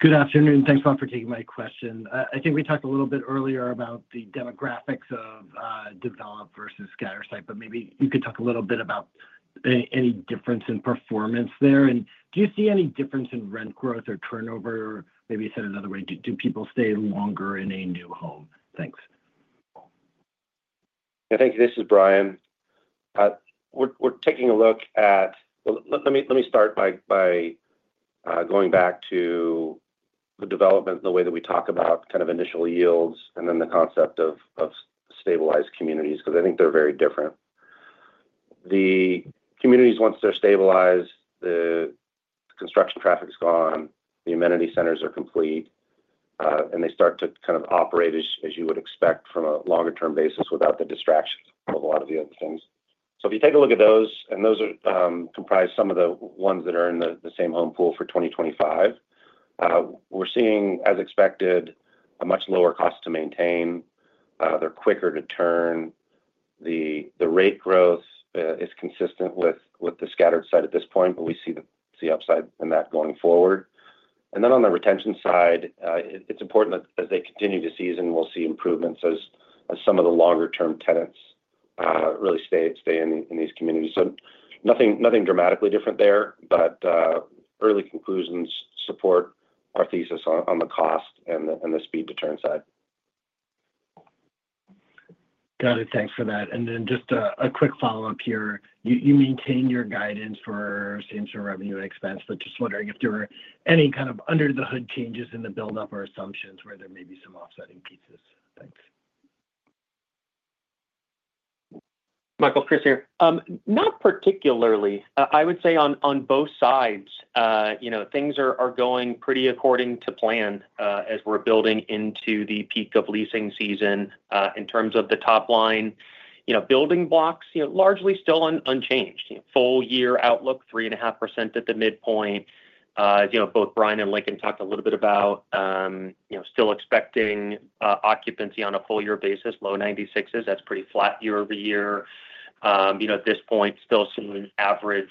Please proceed. Good afternoon. Thanks a lot for taking my question. I think we talked a little bit earlier about the demographics of developed versus scattered site, but maybe you could talk a little bit about any difference in performance there. Do you see any difference in rent growth or turnover? Maybe you said another way. Do people stay longer in a new home? Thanks. Yeah. Thank you. This is Bryan. We're taking a look at let me start by going back to the development and the way that we talk about kind of initial yields and then the concept of stabilized communities because I think they're very different. The communities, once they're stabilized, the construction traffic's gone, the amenity centers are complete, and they start to kind of operate, as you would expect, from a longer-term basis without the distractions of a lot of the other things. If you take a look at those, and those comprise some of the ones that are in the same home pool for 2025, we're seeing, as expected, a much lower cost to maintain. They're quicker to turn. The rate growth is consistent with the scattered site at this point, but we see the upside in that going forward. On the retention side, it's important that as they continue to season, we'll see improvements as some of the longer-term tenants really stay in these communities. Nothing dramatically different there, but early conclusions support our thesis on the cost and the speed to turn side. Got it. Thanks for that. Just a quick follow-up here. You maintain your guidance for same-share revenue and expense, but just wondering if there were any kind of under-the-hood changes in the build-up or assumptions where there may be some offsetting pieces. Thanks. Michael, Chris here. Not particularly. I would say on both sides, things are going pretty according to plan as we're building into the peak of leasing season in terms of the top-line building blocks, largely still unchanged. Full-year outlook, 3.5% at the midpoint. Both Bryan and Lincoln talked a little bit about still expecting occupancy on a full-year basis, low 96s. That's pretty flat year-over-year. At this point, still seeing average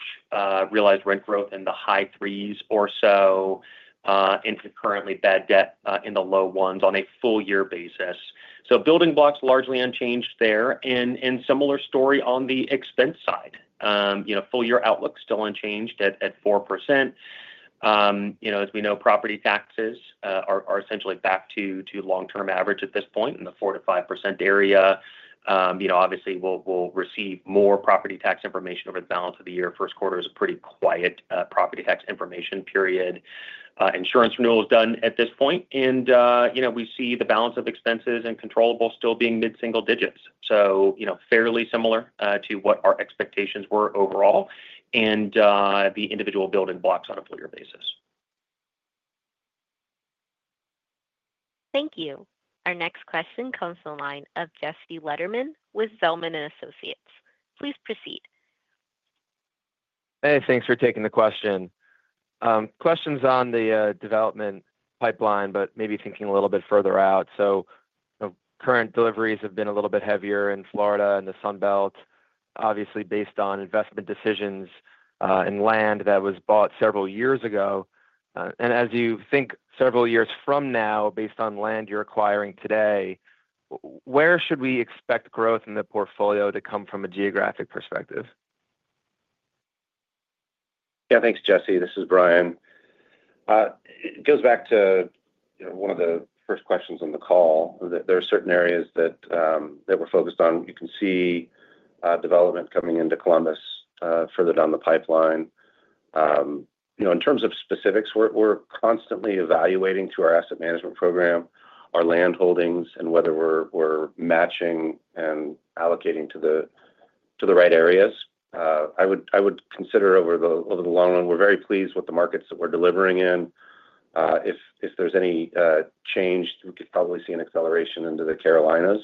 realized rent growth in the high threes or so, and currently bad debt in the low ones on a full-year basis. Building blocks largely unchanged there. Similar story on the expense side. Full-year outlook still unchanged at 4%. As we know, property taxes are essentially back to long-term average at this point in the 4%-5% area. Obviously, we'll receive more property tax information over the balance of the year. First quarter is a pretty quiet property tax information period. Insurance renewal is done at this point. We see the balance of expenses and controllable still being mid-single digits. Fairly similar to what our expectations were overall and the individual building blocks on a full-year basis. Thank you. Our next question comes from the line of Jesse Lederman with Zelman & Associates. Please proceed. Hey, thanks for taking the question. Questions on the development pipeline, but maybe thinking a little bit further out. Current deliveries have been a little bit heavier in Florida and the Sunbelt, obviously based on investment decisions and land that was bought several years ago. As you think several years from now, based on land you're acquiring today, where should we expect growth in the portfolio to come from a geographic perspective? Yeah. Thanks, Jesse. This is Bryan. It goes back to one of the first questions on the call. There are certain areas that we're focused on. You can see development coming into Columbus further down the pipeline. In terms of specifics, we're constantly evaluating through our asset management program our land holdings and whether we're matching and allocating to the right areas. I would consider over the long run, we're very pleased with the markets that we're delivering in. If there's any change, we could probably see an acceleration into the Carolinas.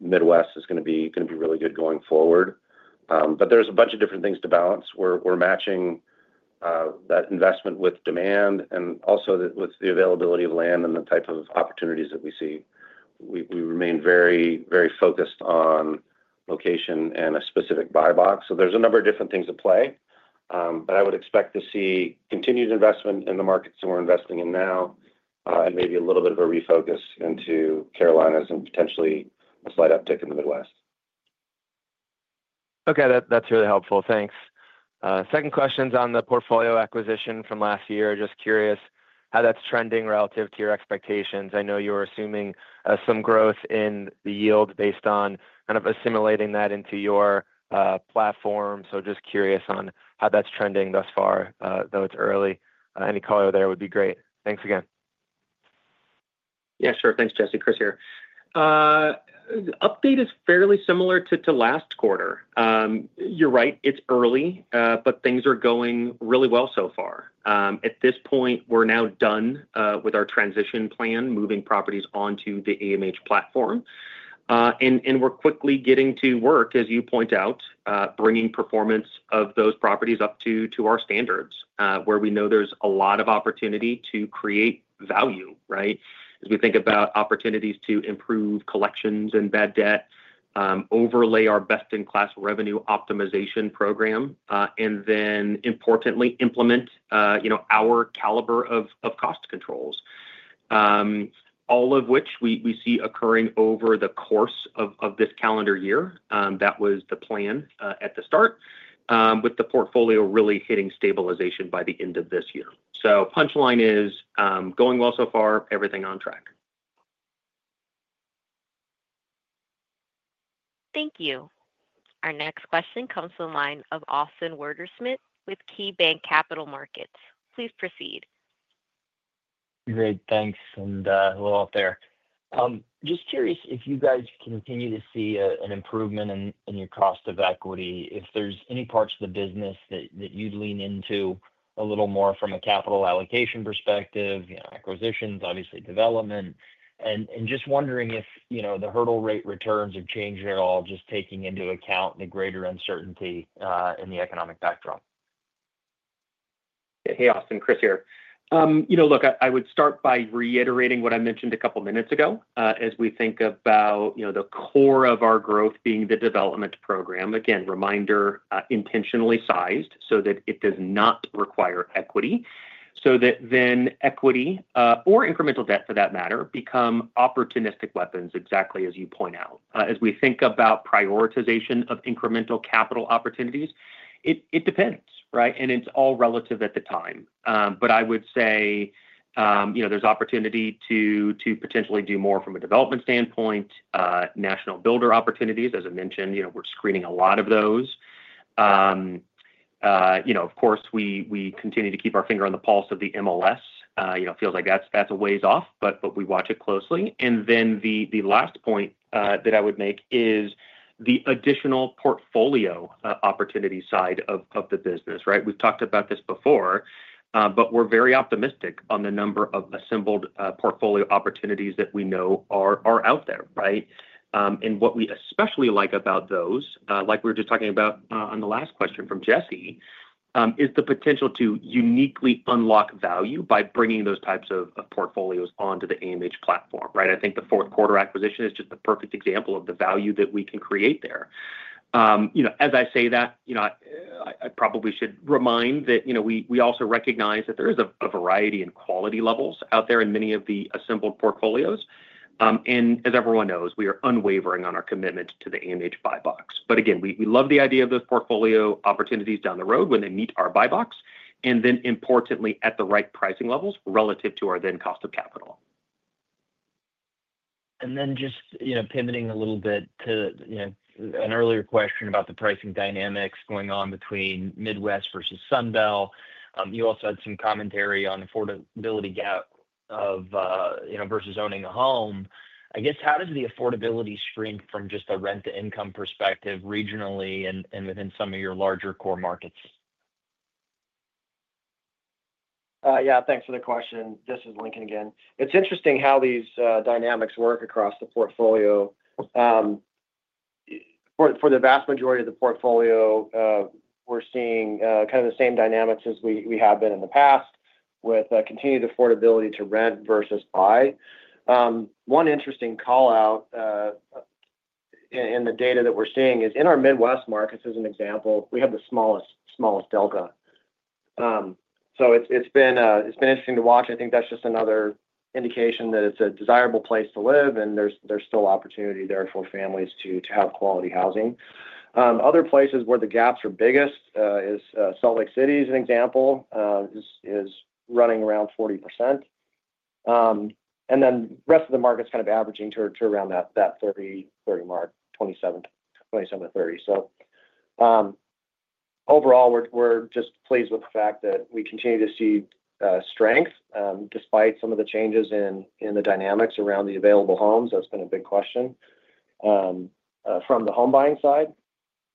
Midwest is going to be really good going forward. There are a bunch of different things to balance. We're matching that investment with demand and also with the availability of land and the type of opportunities that we see. We remain very focused on location and a specific buy box. There are a number of different things at play. I would expect to see continued investment in the markets that we are investing in now and maybe a little bit of a refocus into Carolinas and potentially a slight uptick in the Midwest. Okay. That's really helpful. Thanks. Second question's on the portfolio acquisition from last year. Just curious how that's trending relative to your expectations. I know you were assuming some growth in the yield based on kind of assimilating that into your platform. Just curious on how that's trending thus far, though it's early. Any color there would be great. Thanks again. Yeah. Sure. Thanks, Jesse. Chris here. The update is fairly similar to last quarter. You're right. It's early, but things are going really well so far. At this point, we're now done with our transition plan, moving properties onto the AMH platform. We're quickly getting to work, as you point out, bringing performance of those properties up to our standards where we know there's a lot of opportunity to create value, right, as we think about opportunities to improve collections and bad debt, overlay our best-in-class revenue optimization program, and then, importantly, implement our caliber of cost controls, all of which we see occurring over the course of this calendar year. That was the plan at the start, with the portfolio really hitting stabilization by the end of this year. Punchline is going well so far, everything on track. Thank you. Our next question comes from the line of Austin Wurschmidt with KeyBanc Capital Markets. Please proceed. Great. Thanks. A little off there. Just curious if you guys continue to see an improvement in your cost of equity, if there are any parts of the business that you'd lean into a little more from a capital allocation perspective, acquisitions, obviously development, and just wondering if the hurdle rate returns have changed at all, just taking into account the greater uncertainty in the economic backdrop. Hey, Austin. Chris here. Look, I would start by reiterating what I mentioned a couple of minutes ago as we think about the core of our growth being the development program. Again, reminder, intentionally sized so that it does not require equity so that then equity or incremental debt, for that matter, become opportunistic weapons, exactly as you point out. As we think about prioritization of incremental capital opportunities, it depends, right? It is all relative at the time. I would say there is opportunity to potentially do more from a development standpoint, national builder opportunities. As I mentioned, we are screening a lot of those. Of course, we continue to keep our finger on the pulse of the MLS. It feels like that is a ways off, but we watch it closely. The last point that I would make is the additional portfolio opportunity side of the business, right? We've talked about this before, but we're very optimistic on the number of assembled portfolio opportunities that we know are out there, right? What we especially like about those, like we were just talking about on the last question from Jesse, is the potential to uniquely unlock value by bringing those types of portfolios onto the AMH platform, right? I think the fourth quarter acquisition is just the perfect example of the value that we can create there. As I say that, I probably should remind that we also recognize that there is a variety in quality levels out there in many of the assembled portfolios. As everyone knows, we are unwavering on our commitment to the AMH buy-box. Again, we love the idea of those portfolio opportunities down the road when they meet our buy box, and then importantly, at the right pricing levels relative to our then cost of capital. Just pivoting a little bit to an earlier question about the pricing dynamics going on between Midwest versus Sunbelt. You also had some commentary on affordability gap versus owning a home. I guess, how does the affordability screen from just a rent-to-income perspective regionally and within some of your larger core markets? Yeah. Thanks for the question. This is Lincoln again. It's interesting how these dynamics work across the portfolio. For the vast majority of the portfolio, we're seeing kind of the same dynamics as we have been in the past with continued affordability to rent versus buy. One interesting callout in the data that we're seeing is in our Midwest markets, as an example, we have the smallest delta. It's been interesting to watch. I think that's just another indication that it's a desirable place to live, and there's still opportunity there for families to have quality housing. Other places where the gaps are biggest is Salt Lake City as an example, is running around 40%. The rest of the market's kind of averaging to around that 30 mark, 27-30. Overall, we're just pleased with the fact that we continue to see strength despite some of the changes in the dynamics around the available homes. That's been a big question from the home buying side.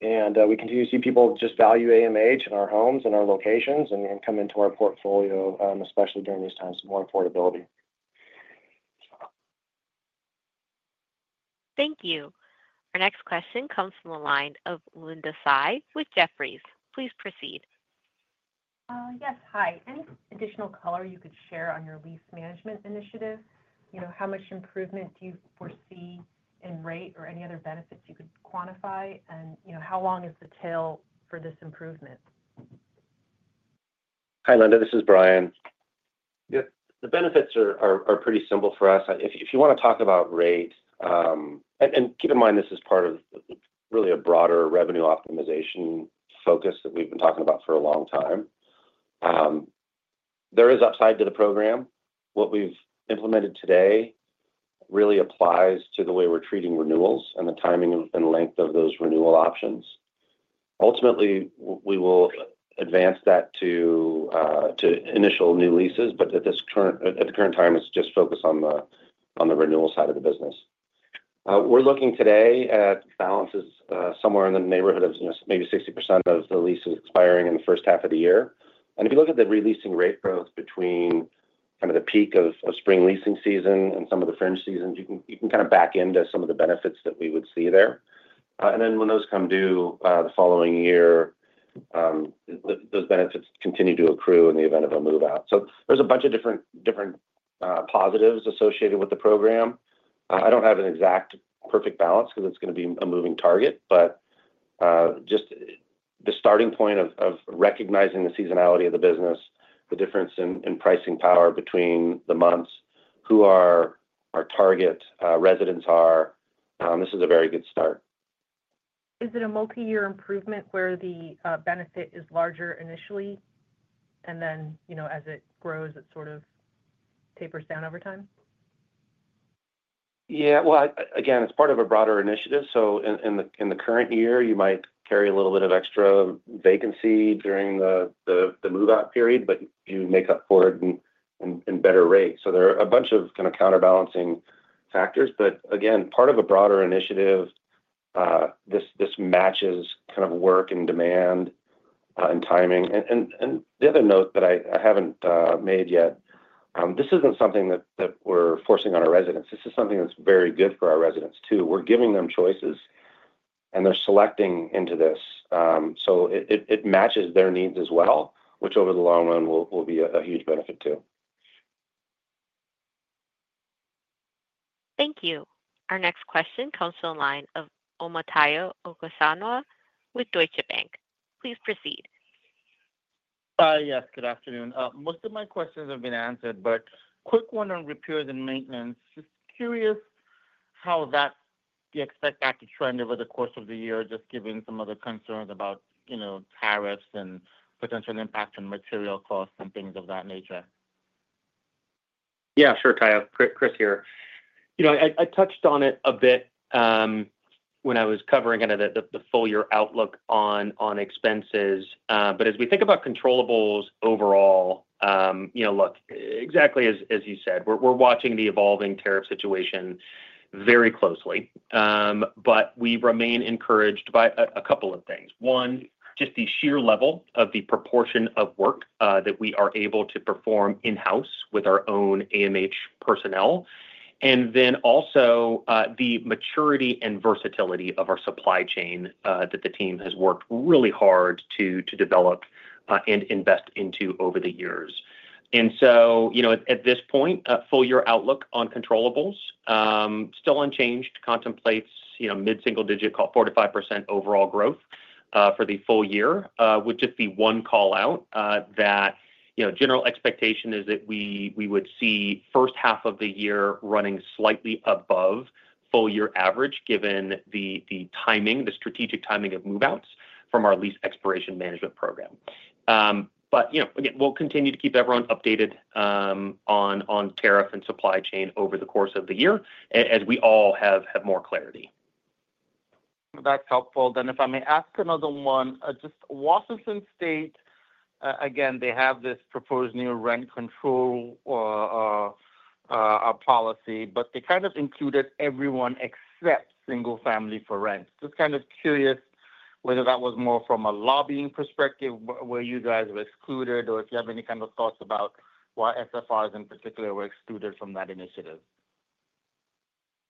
We continue to see people just value AMH and our homes and our locations and come into our portfolio, especially during these times of more affordability. Thank you. Our next question comes from the line of Linda Tsai with Jefferies. Please proceed. Yes. Hi. Any additional color you could share on your lease management initiative? How much improvement do you foresee in rate or any other benefits you could quantify? How long is the tail for this improvement? Hi, Linda. This is Bryan. Yep. The benefits are pretty simple for us. If you want to talk about rate and keep in mind this is part of really a broader revenue optimization focus that we've been talking about for a long time. There is upside to the program. What we've implemented today really applies to the way we're treating renewals and the timing and length of those renewal options. Ultimately, we will advance that to initial new leases, but at the current time, it's just focused on the renewal side of the business. We're looking today at balances somewhere in the neighborhood of maybe 60% of the leases expiring in the first half of the year. If you look at the releasing rate growth between kind of the peak of spring leasing season and some of the fringe seasons, you can kind of back into some of the benefits that we would see there. When those come due the following year, those benefits continue to accrue in the event of a move-out. There is a bunch of different positives associated with the program. I do not have an exact perfect balance because it is going to be a moving target, but just the starting point of recognizing the seasonality of the business, the difference in pricing power between the months, who our target residents are, this is a very good start. Is it a multi-year improvement where the benefit is larger initially, and then as it grows, it sort of tapers down over time? Yeah. Again, it's part of a broader initiative. In the current year, you might carry a little bit of extra vacancy during the move-out period, but you make up for it in better rates. There are a bunch of kind of counterbalancing factors. Again, part of a broader initiative, this matches kind of work and demand and timing. The other note that I have not made yet, this is not something that we are forcing on our residents. This is something that is very good for our residents too. We are giving them choices, and they are selecting into this. It matches their needs as well, which over the long run will be a huge benefit too. Thank you. Our next question comes from the line of Omotayo Okusanya with Deutsche Bank. Please proceed. Hi. Yes. Good afternoon. Most of my questions have been answered, but quick one on repairs and maintenance. Just curious how that you expect that to trend over the course of the year, just given some of the concerns about tariffs and potential impact on material costs and things of that nature. Yeah. Sure, Tyo. Chris here. I touched on it a bit when I was covering kind of the full year outlook on expenses. As we think about controllables, overall, look, exactly as you said, we're watching the evolving tariff situation very closely. We remain encouraged by a couple of things. One, just the sheer level of the proportion of work that we are able to perform in-house with our own AMH personnel. Also, the maturity and versatility of our supply chain that the team has worked really hard to develop and invest into over the years. At this point, full year outlook on controllables, still unchanged, contemplates mid-single digit called 4%-5% overall growth for the full year. Would just be one callout that general expectation is that we would see first half of the year running slightly above full year average given the timing, the strategic timing of move-outs from our lease expiration management program. Again, we'll continue to keep everyone updated on tariff and supply chain over the course of the year as we all have more clarity. That's helpful. If I may ask another one, just Washington State, again, they have this proposed new rent control policy, but they kind of included everyone except single family for rent. Just kind of curious whether that was more from a lobbying perspective where you guys were excluded or if you have any kind of thoughts about why SFRs in particular were excluded from that initiative.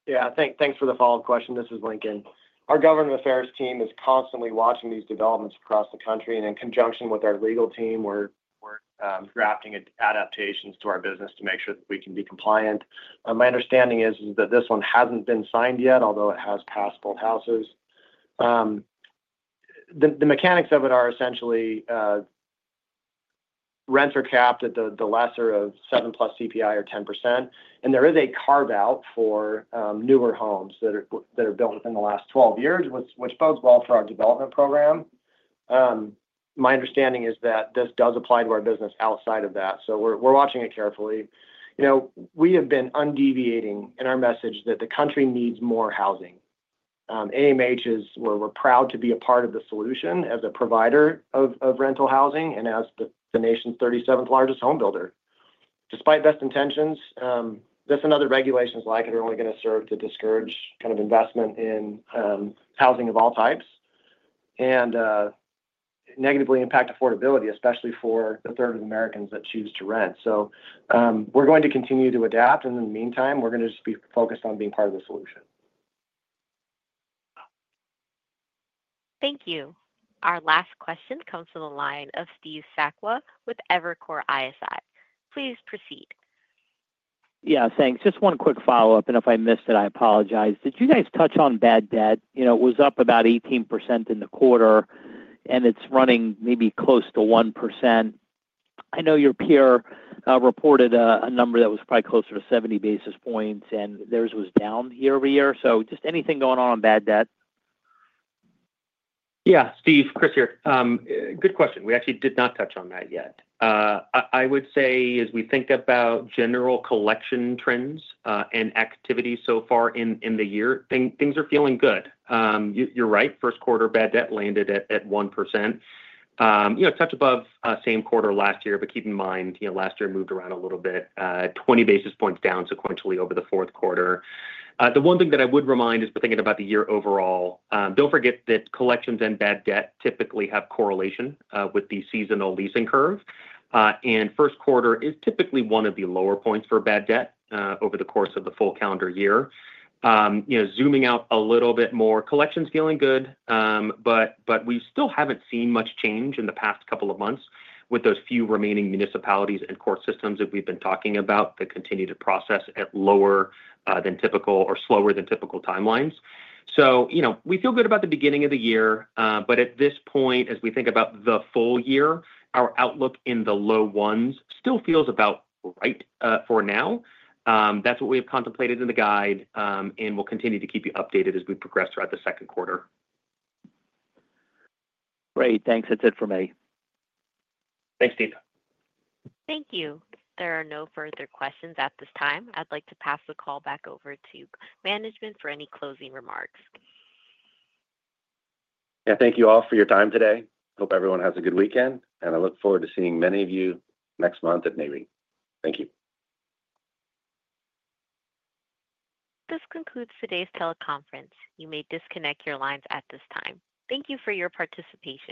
Yeah. Thanks for the follow-up question. This is Lincoln. Our government affairs team is constantly watching these developments across the country. In conjunction with our legal team, we're drafting adaptations to our business to make sure that we can be compliant. My understanding is that this one hasn't been signed yet, although it has passed both houses. The mechanics of it are essentially rents are capped at the lesser of 7+ CPI or 10%. There is a carve-out for newer homes that are built within the last 12 years, which bodes well for our development program. My understanding is that this does apply to our business outside of that. We're watching it carefully. We have been undeviating in our message that the country needs more housing. AMH is where we're proud to be a part of the solution as a provider of rental housing and as the nation's 37th largest home builder. Despite best intentions, this and other regulations like it are only going to serve to discourage kind of investment in housing of all types and negatively impact affordability, especially for the third of Americans that choose to rent. We are going to continue to adapt. In the meantime, we are going to just be focused on being part of the solution. Thank you. Our last question comes from the line of Steve Sakwa with Evercore ISI. Please proceed. Yeah. Thanks. Just one quick follow-up. If I missed it, I apologize. Did you guys touch on bad debt? It was up about 18% in the quarter, and it's running maybe close to 1%. I know your peer reported a number that was probably closer to 70 basis points, and theirs was down year-over-year. Just anything going on on bad debt? Yeah. Steve, Chris here. Good question. We actually did not touch on that yet. I would say as we think about general collection trends and activity so far in the year, things are feeling good. You're right. First quarter, bad debt landed at 1%. Touch above same quarter last year, but keep in mind last year moved around a little bit, 20 basis points down sequentially over the fourth quarter. The one thing that I would remind is thinking about the year overall, do not forget that collections and bad debt typically have correlation with the seasonal leasing curve. First quarter is typically one of the lower points for bad debt over the course of the full calendar year. Zooming out a little bit more, collections feeling good, but we still have not seen much change in the past couple of months with those few remaining municipalities and court systems that we have been talking about that continue to process at lower than typical or slower than typical timelines. We feel good about the beginning of the year, but at this point, as we think about the full year, our outlook in the low ones still feels about right for now. That is what we have contemplated in the guide, and we will continue to keep you updated as we progress throughout the second quarter. Great. Thanks. That's it for me. Thanks, Steve. Thank you. There are no further questions at this time. I'd like to pass the call back over to management for any closing remarks. Yeah. Thank you all for your time today. Hope everyone has a good weekend, and I look forward to seeing many of you next month at Nareit. Thank you. This concludes today's teleconference. You may disconnect your lines at this time. Thank you for your participation.